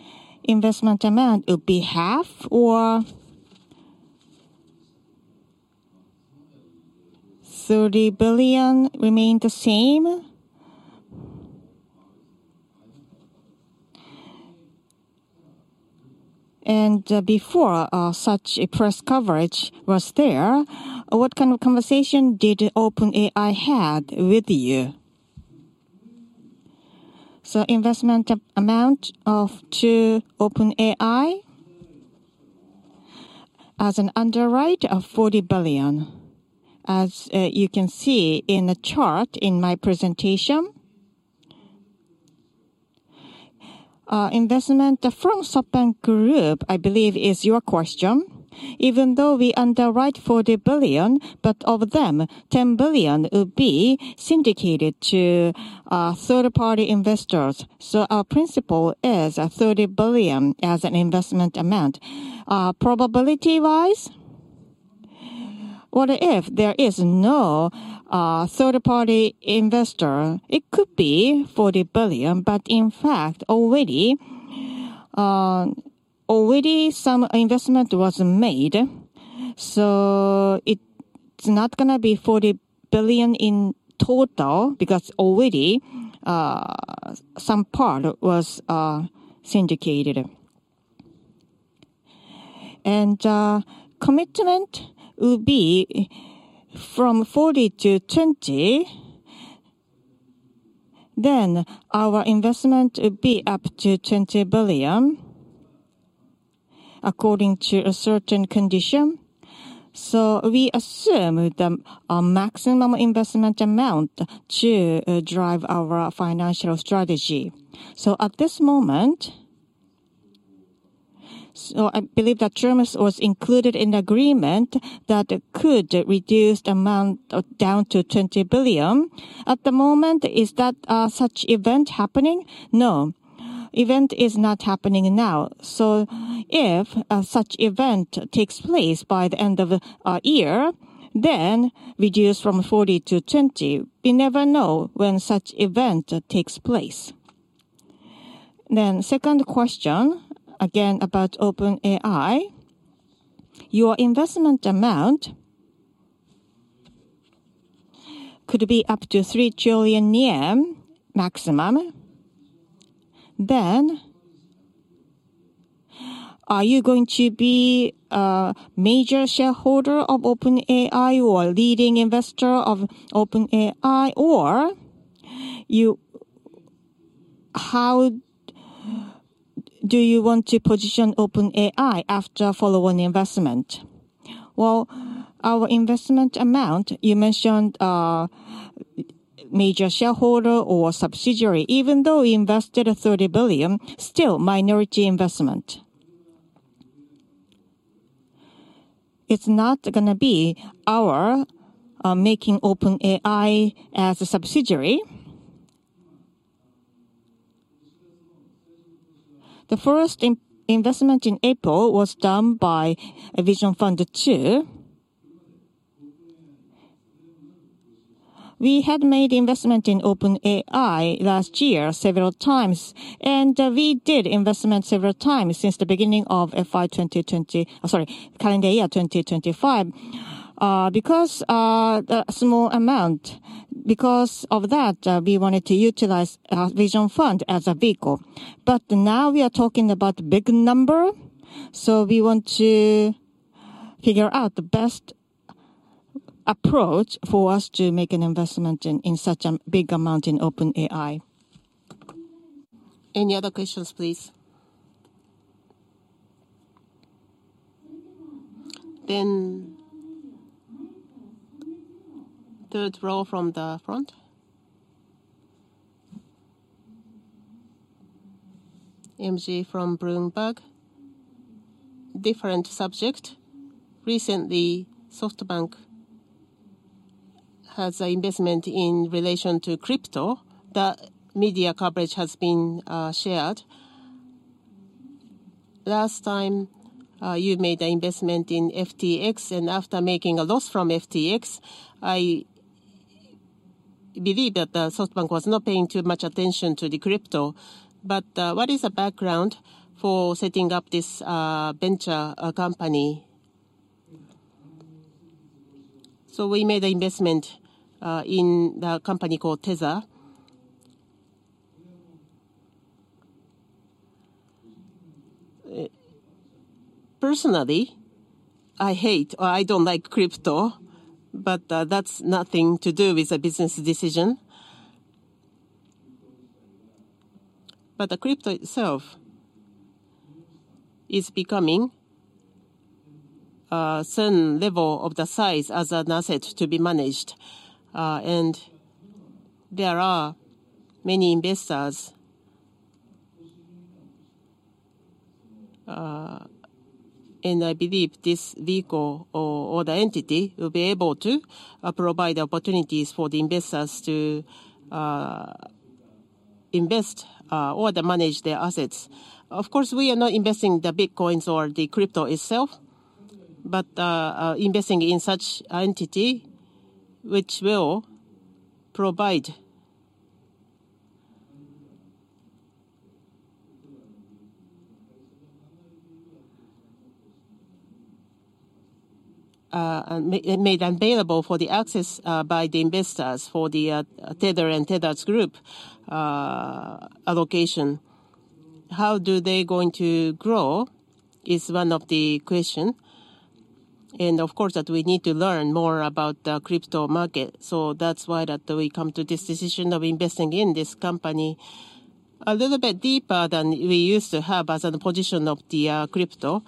investment amount? It would be half or $30 billion remained the same? Before such press coverage was there, what kind of conversation did OpenAI have with you? Investment amount to OpenAI as an underwrite of $40 billion, as you can see in the chart in my presentation. Investment from SoftBank Group, I believe, is your question. Even though we underwrite $40 billion, but of them, $10 billion would be syndicated to third-party investors. Our principle is $30 billion as an investment amount. Probability-wise, what if there is no third-party investor? It could be $40 billion, but in fact, already some investment was made. It is not going to be $40 billion in total because already some part was syndicated. Commitment would be from $40 billion to $20 billion, then our investment would be up to $20 billion according to a certain condition. We assume the maximum investment amount to drive our financial strategy. At this moment, I believe that terms were included in the agreement that could reduce the amount down to $20 billion. At the moment, is such event happening? No. Event is not happening now. If such event takes place by the end of the year, then reduce from $40 billion to $20 billion. We never know when such event takes place. Second question, again about OpenAI. Your investment amount could be up to 3 trillion yen maximum. Are you going to be a major shareholder of OpenAI or a leading investor of OpenAI? Or how do you want to position OpenAI after following investment? Our investment amount, you mentioned major shareholder or subsidiary. Even though we invested $30 billion, still minority investment. It is not going to be our making OpenAI as a subsidiary. The first investment in April was done by Vision Fund 2. We had made investment in OpenAI last year several times, and we did investment several times since the beginning of fiscal year 2020, sorry, calendar year 2025. Because of that, we wanted to utilize Vision Fund as a vehicle. Now we are talking about a big number. We want to figure out the best approach for us to make an investment in such a big amount in OpenAI. Any other questions, please? Third row from the front. MG from Bloomberg. Different subject. Recently, SoftBank has an investment in relation to crypto. The media coverage has been shared. Last time, you made an investment in FTX, and after making a loss from FTX, I believe that SoftBank was not paying too much attention to the crypto. What is the background for setting up this venture company? We made an investment in the company called Tether. Personally, I hate or I do not like crypto, but that is nothing to do with a business decision. The crypto itself is becoming a certain level of the size as an asset to be managed. There are many investors. I believe this vehicle or the entity will be able to provide opportunities for the investors to invest or to manage their assets. Of course, we are not investing in the bitcoins or the crypto itself, but investing in such an entity which will provide made available for the access by the investors for the Tether and Tether's group allocation. How are they going to grow is one of the questions. Of course, that we need to learn more about the crypto market. That is why we come to this decision of investing in this company a little bit deeper than we used to have as a position of the crypto.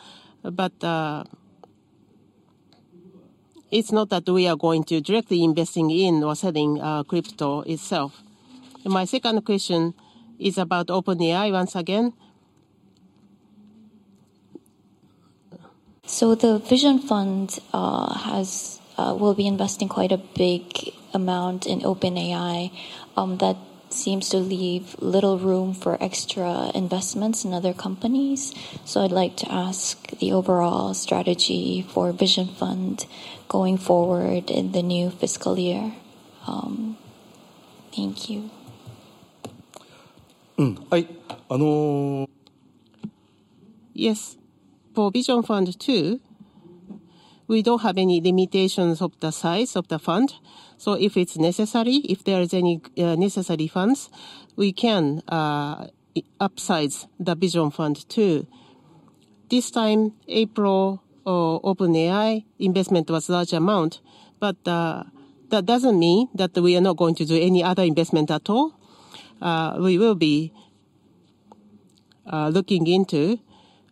It is not that we are going to directly invest in or selling crypto itself. My second question is about OpenAI once again. The Vision Fund will be investing quite a big amount in OpenAI. That seems to leave little room for extra investments in other companies. I'd like to ask the overall strategy for Vision Fund going forward in the new fiscal year. Thank you. Yes. For Vision Fund 2, we don't have any limitations of the size of the fund. If it's necessary, if there are any necessary funds, we can upsize the Vision Fund 2. This time, April, OpenAI investment was a large amount. That doesn't mean that we are not going to do any other investment at all. We will be looking into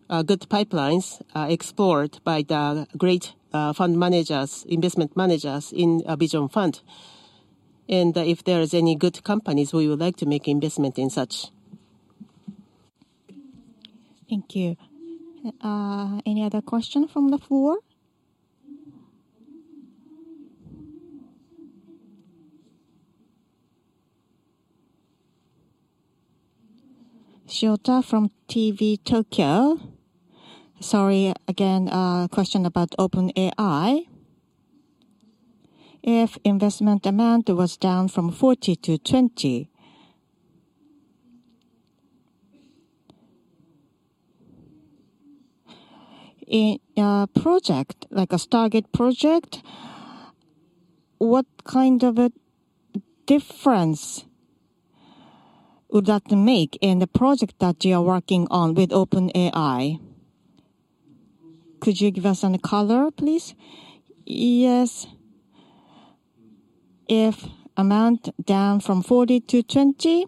good pipelines explored by the great fund managers, investment managers in Vision Fund. If there are any good companies, we would like to make investment in such. Thank you. Any other questions from the floor? Shelter from TV Tokyo. Sorry, again, question about OpenAI. If investment amount was down from 40-20, in a project like a Stargate project, what kind of a difference would that make in the project that you are working on with OpenAI? Could you give us a color, please? Yes. If amount down from 40- 20,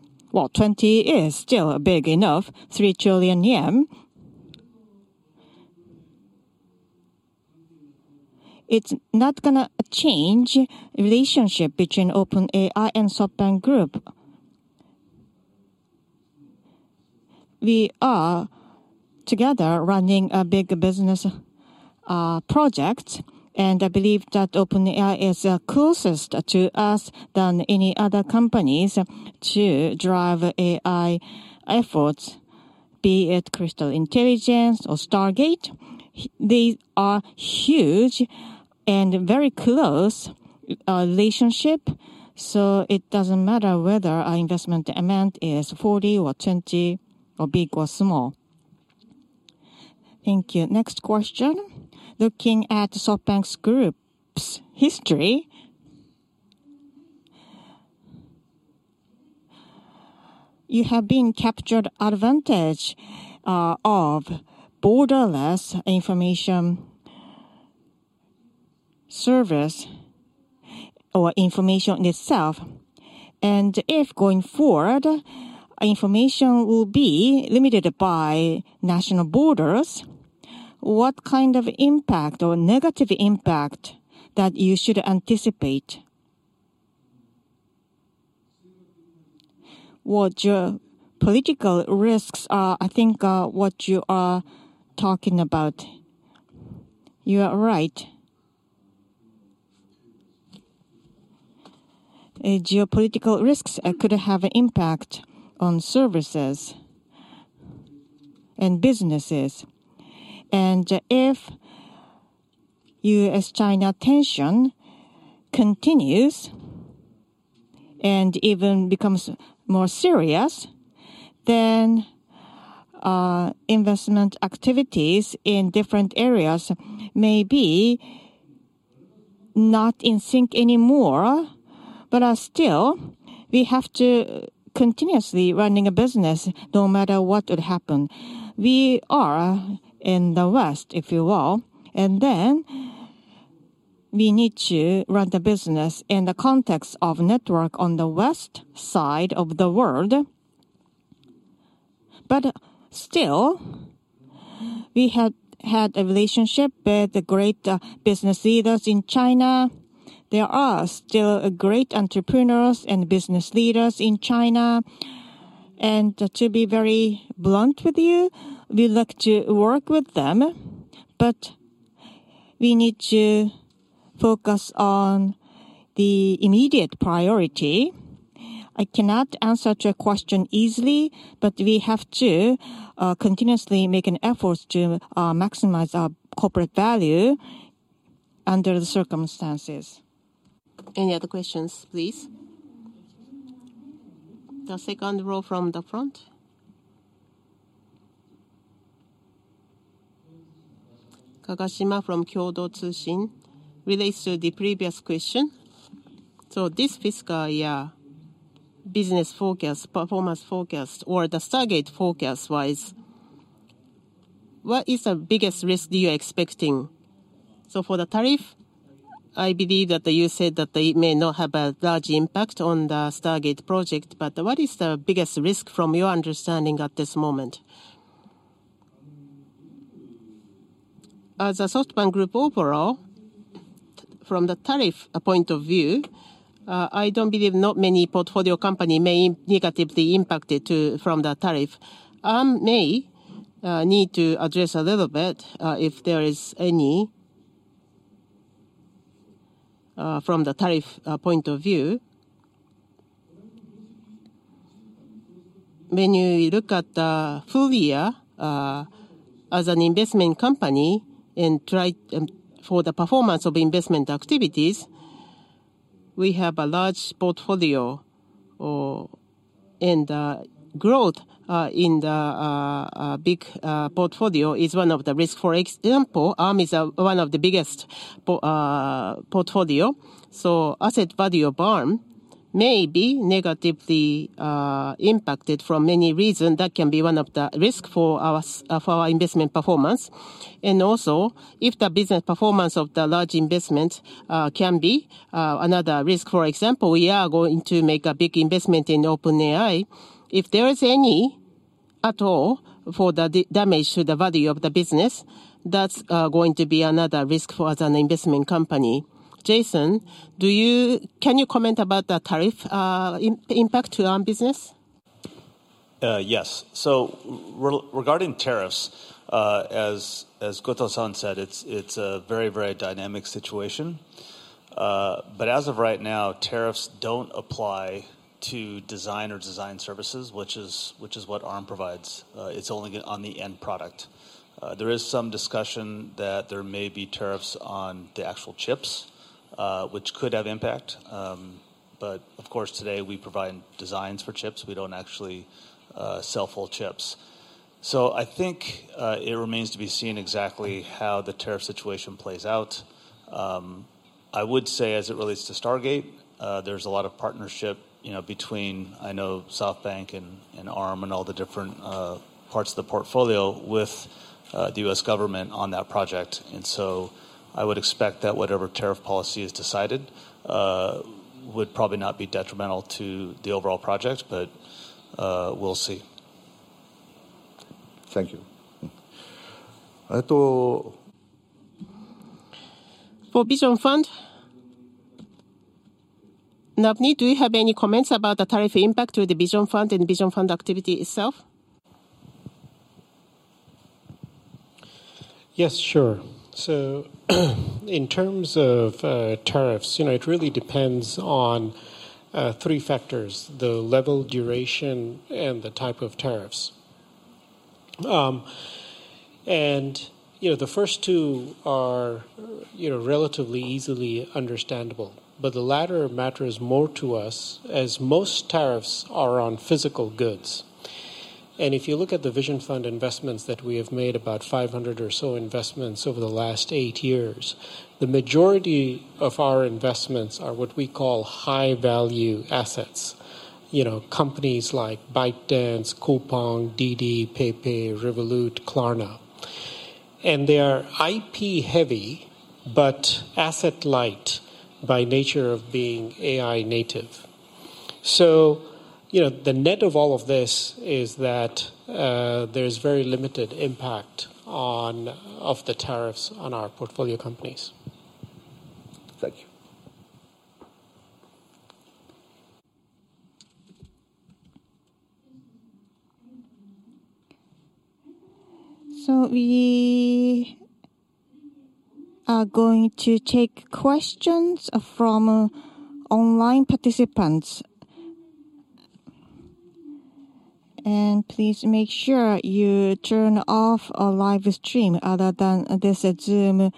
20 is still big enough, 3 trillion yen. It's not going to change the relationship between OpenAI and SoftBank Group. We are together running a big business project, and I believe that OpenAI is closest to us than any other companies to drive AI efforts, be it Crystal Intelligence or Stargate. They are huge and very close relationship. It doesn't matter whether our investment amount is 40 or 20 or big or small. Thank you. Next question. Looking at SoftBank Group's history, you have been captured advantage of borderless information service or information itself. If going forward, information will be limited by national borders, what kind of impact or negative impact that you should anticipate? What your political risks are, I think what you are talking about. You are right. Geopolitical risks could have an impact on services and businesses. If U.S.-China tension continues and even becomes more serious, then investment activities in different areas may be not in sync anymore, but still we have to continuously run a business no matter what would happen. We are in the West, if you will, and then we need to run the business in the context of network on the West side of the world. Still, we had a relationship with the great business leaders in China. There are still great entrepreneurs and business leaders in China. To be very blunt with you, we look to work with them, but we need to focus on the immediate priority. I cannot answer to a question easily, but we have to continuously make an effort to maximize our corporate value under the circumstances. Any other questions, please? The second row from the front. Kagashima from Kyodo Tsushin relates to the previous question. This fiscal year business focus, performance focus, or the Stargate focus-wise, what is the biggest risk you are expecting? For the tariff, I believe that you said that it may not have a large impact on the Stargate project, but what is the biggest risk from your understanding at this moment? As a SoftBank Group overall, from the tariff point of view, I do not believe many portfolio companies may be negatively impacted from the tariff. I may need to address a little bit if there is any from the tariff point of view. When you look at the full year as an investment company and try for the performance of investment activities, we have a large portfolio, and growth in the big portfolio is one of the risks. For example, Arm is one of the biggest portfolios. So asset value of Arm may be negatively impacted for many reasons. That can be one of the risks for our investment performance. Also, if the business performance of the large investment can be another risk, for example, we are going to make a big investment in OpenAI. If there is any at all for the damage to the value of the business, that's going to be another risk for us as an investment company. Jason, can you comment about the tariff impact on business? Yes. Regarding tariffs, as Goto-san said, it's a very, very dynamic situation. As of right now, tariffs do not apply to design or design services, which is what Arm provides. It's only on the end product. There is some discussion that there may be tariffs on the actual chips, which could have impact. Of course, today we provide designs for chips. We do not actually sell full chips. I think it remains to be seen exactly how the tariff situation plays out. I would say as it relates to Stargate, there is a lot of partnership between, I know, SoftBank and Arm and all the different parts of the portfolio with the U.S. government on that project. I would expect that whatever tariff policy is decided would probably not be detrimental to the overall project, but we will see. Thank you. For Vision Fund, Navneet, do you have any comments about the tariff impact to the Vision Fund and Vision Fund activity itself? Yes, sure. In terms of tariffs, it really depends on three factors: the level, duration, and the type of tariffs. The first two are relatively easily understandable, but the latter matters more to us as most tariffs are on physical goods. If you look at the Vision Fund investments that we have made, about 500 or so investments over the last eight years, the majority of our investments are what we call high-value assets, companies like ByteDance, Coupang, DD, PayPay, Revolut, Klarna. They are IP-heavy but asset-light by nature of being AI native. The net of all of this is that there is very limited impact of the tariffs on our portfolio companies. Thank you. We are going to take questions from online participants. Please make sure you turn off a live stream other than this Zoom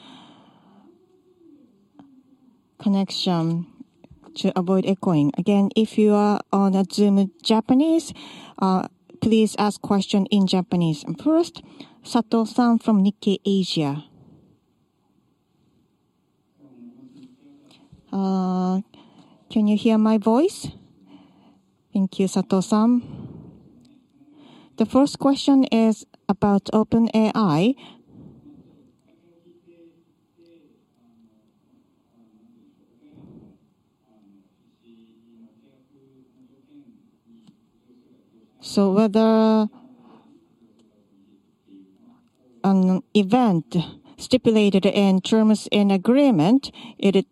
connection to avoid echoing. Again, if you are on Zoom Japanese, please ask questions in Japanese. First, Sato-san from Nikkei Asia. Can you hear my voice? Thank you, Sato-san. The first question is about OpenAI. Whether an event stipulated in terms and agreement is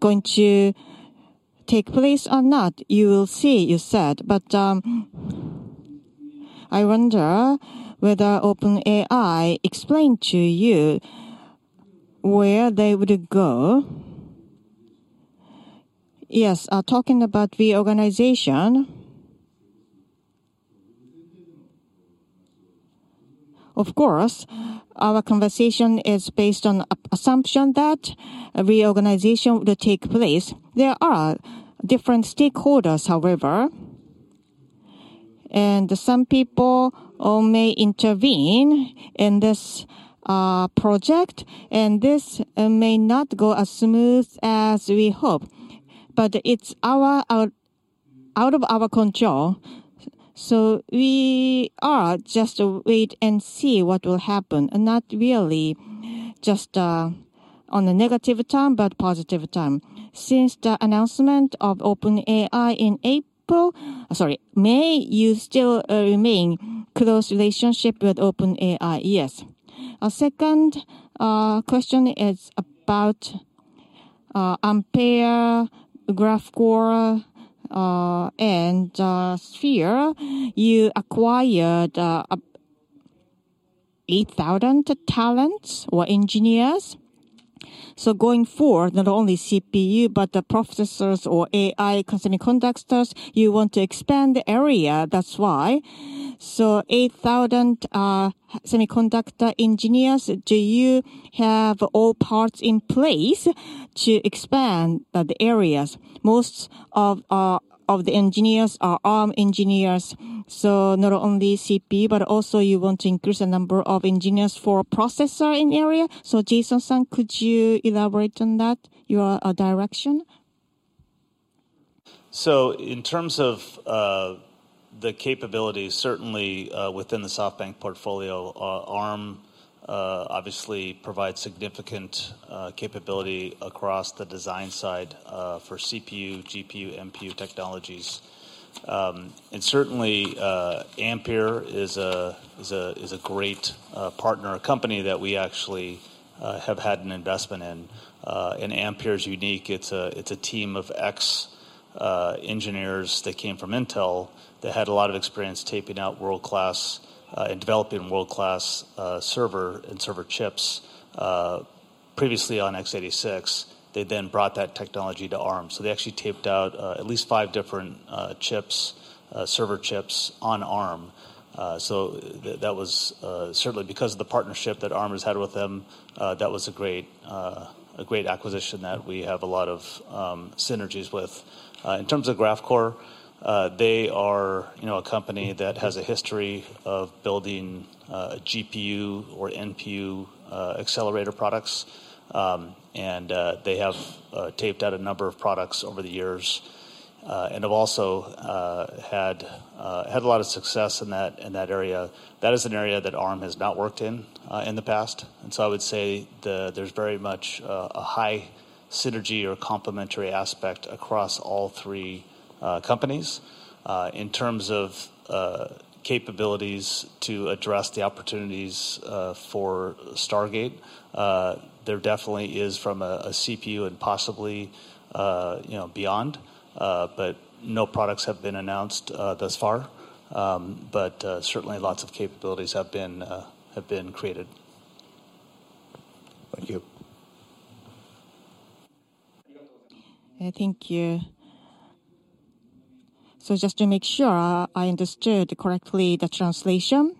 going to take place or not, you will see, you said. I wonder whether OpenAI explained to you where they would go. Yes, talking about reorganization. Of course, our conversation is based on the assumption that reorganization would take place. There are different stakeholders, however, and some people may intervene in this project, and this may not go as smooth as we hope. It is out of our control. We are just wait and see what will happen, not really just on a negative term but positive term. Since the announcement of OpenAI in April, sorry, may you still remain in close relationship with OpenAI? Yes. Our second question is about Ampere, Graphcore, and Sphere. You acquired 8,000 talents or engineers. Going forward, not only CPU, but the processors or AI semiconductors, you want to expand the area. That is why. So 8,000 semiconductor engineers, do you have all parts in place to expand the areas? Most of the engineers are Arm engineers. Not only CPU, but also you want to increase the number of engineers for processors in the area. Jason-san, could you elaborate on that, your direction? In terms of the capabilities, certainly within the SoftBank portfolio, Arm obviously provides significant capability across the design side for CPU, GPU, MPU technologies. Certainly, Ampere is a great partner, a company that we actually have had an investment in. Ampere is unique. It is a team of ex-engineers that came from Intel that had a lot of experience taping out world-class and developing world-class server and server chips previously on x86. They then brought that technology to Arm. They actually taped out at least five different server chips on Arm. That was certainly because of the partnership that Arm has had with them, that was a great acquisition that we have a lot of synergies with. In terms of Graphcore, they are a company that has a history of building GPU or NPU accelerator products. They have taped out a number of products over the years and have also had a lot of success in that area. That is an area that Arm has not worked in in the past. I would say there is very much a high synergy or complementary aspect across all three companies. In terms of capabilities to address the opportunities for Stargate, there definitely is from a CPU and possibly beyond, but no products have been announced thus far. Certainly, lots of capabilities have been created. Thank you. Thank you. Just to make sure I understood correctly the translation.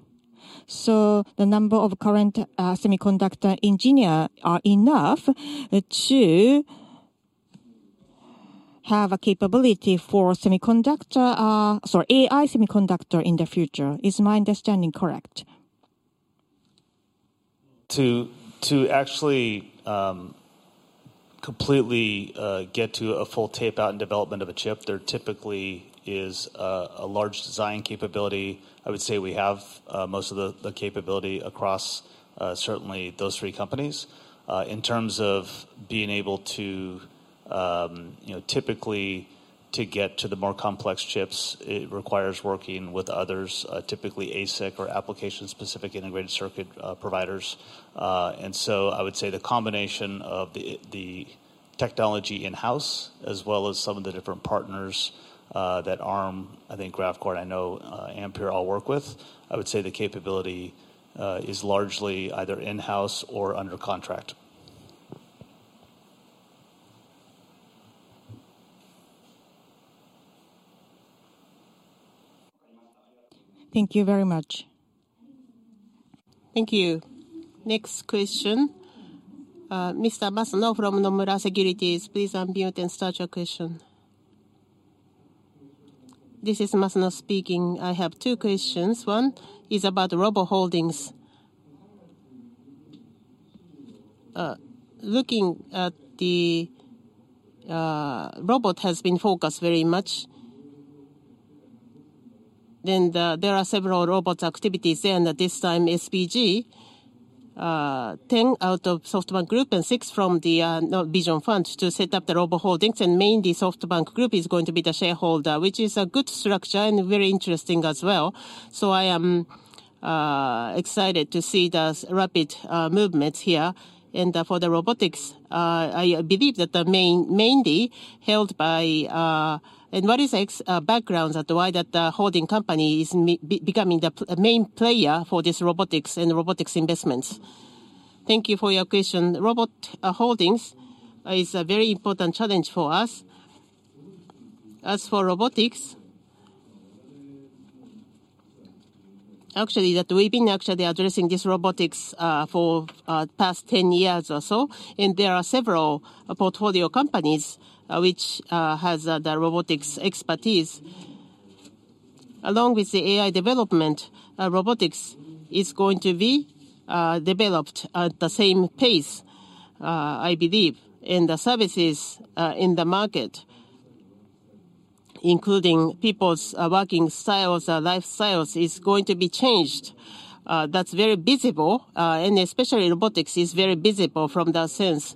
The number of current semiconductor engineers is enough to have a capability for AI semiconductor in the future. Is my understanding correct? To actually completely get to a full tape-out and development of a chip, there typically is a large design capability. I would say we have most of the capability across certainly those three companies. In terms of being able to typically get to the more complex chips, it requires working with others, typically ASIC or application-specific integrated circuit providers. I would say the combination of the technology in-house as well as some of the different partners that Arm, I think Graphcore, and I know Ampere all work with, I would say the capability is largely either in-house or under contract. Thank you very much. Thank you. Next question. Mr. Masuno from Nomura Securities, please unmute and start your question. This is Masuno speaking. I have two questions. One is about Robo Holdings. Looking at the robot has been focused very much. There are several robot activities there, and this time SBG, 10 out of SoftBank Group and six from the Vision Fund to set up the Robo Holdings. Mainly, SoftBank Group is going to be the shareholder, which is a good structure and very interesting as well. I am excited to see the rapid movements here. For the robotics, I believe that mainly held by and what is the background at why that holding company is becoming the main player for this robotics and robotics investments? Thank you for your question. Robo Holdings is a very important challenge for us. As for robotics, actually, we have been actually addressing this robotics for the past 10 years or so. There are several portfolio companies which have the robotics expertise. Along with the AI development, robotics is going to be developed at the same pace, I believe, and the services in the market, including people's working styles, lifestyles, are going to be changed. That is very visible. Especially, robotics is very visible from that sense.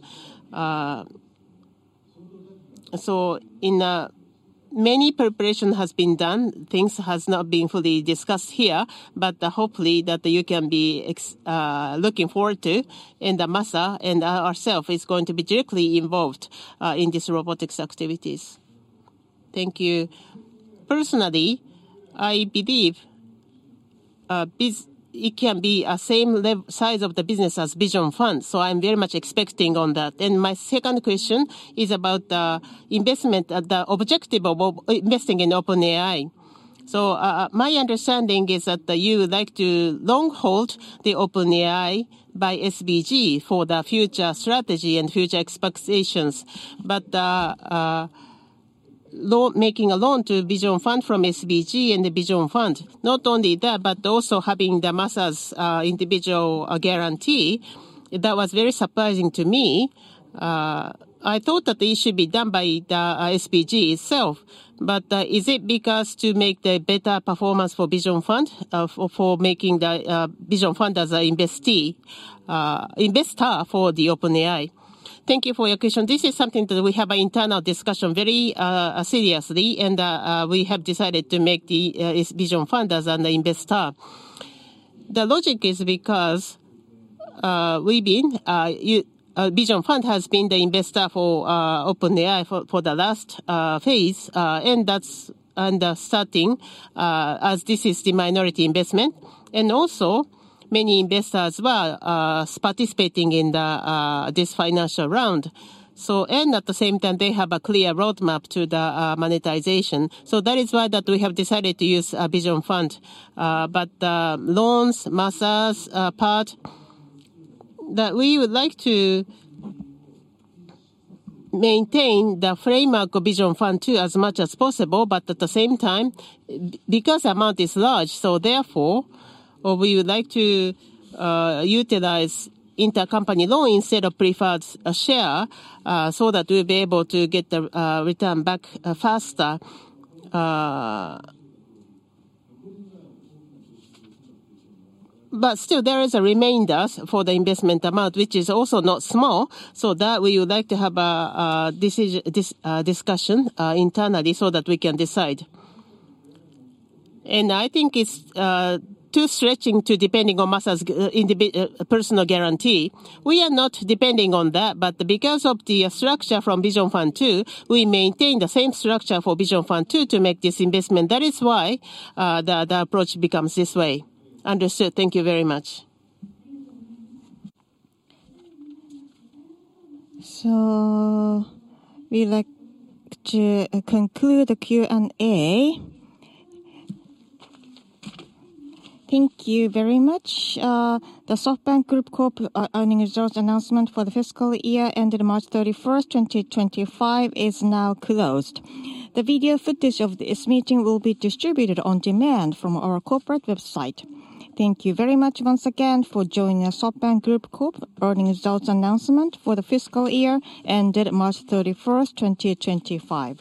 Many preparations have been done. Things have not been fully discussed here, but hopefully that you can be looking forward to. The master and ourselves are going to be directly involved in these robotics activities. Thank you. Personally, I believe it can be the same size of the business as Vision Fund. I am very much expecting on that. My second question is about the investment, the objective of investing in OpenAI. My understanding is that you would like to long hold the OpenAI by SVG for the future strategy and future expectations. Making a loan to Vision Fund from SVG and the Vision Fund, not only that, but also having the master's individual guarantee, that was very surprising to me. I thought that it should be done by the SVG itself. Is it because to make the better performance for Vision Fund, for making the Vision Fund as an investor for OpenAI? Thank you for your question. This is something that we have an internal discussion very seriously, and we have decided to make the Vision Fund as an investor. The logic is because Vision Fund has been the investor for OpenAI for the last phase, and that's understating as this is the minority investment. Also, many investors were participating in this financial round. At the same time, they have a clear roadmap to the monetization. That is why we have decided to use Vision Fund. The loans, master's part, we would like to maintain the framework of Vision Fund too as much as possible. At the same time, because the amount is large, we would like to utilize intercompany loan instead of preferred share so that we'll be able to get the return back faster. Still, there is a remainder for the investment amount, which is also not small. We would like to have a discussion internally so that we can decide. I think it's too stretching to depend on master's personal guarantee. We are not depending on that. Because of the structure from Vision Fund 2, we maintain the same structure for Vision Fund 2 to make this investment. That is why the approach becomes this way. Understood. Thank you very much. We would like to conclude the Q&A. Thank you very much. The SoftBank Group corporate earnings results announcement for the fiscal year ended March 31st, 2025, is now closed. The video footage of this meeting will be distributed on demand from our corporate website. Thank you very much once again for joining the SoftBank Group corporate earnings results announcement for the fiscal year ended March 31st, 2025.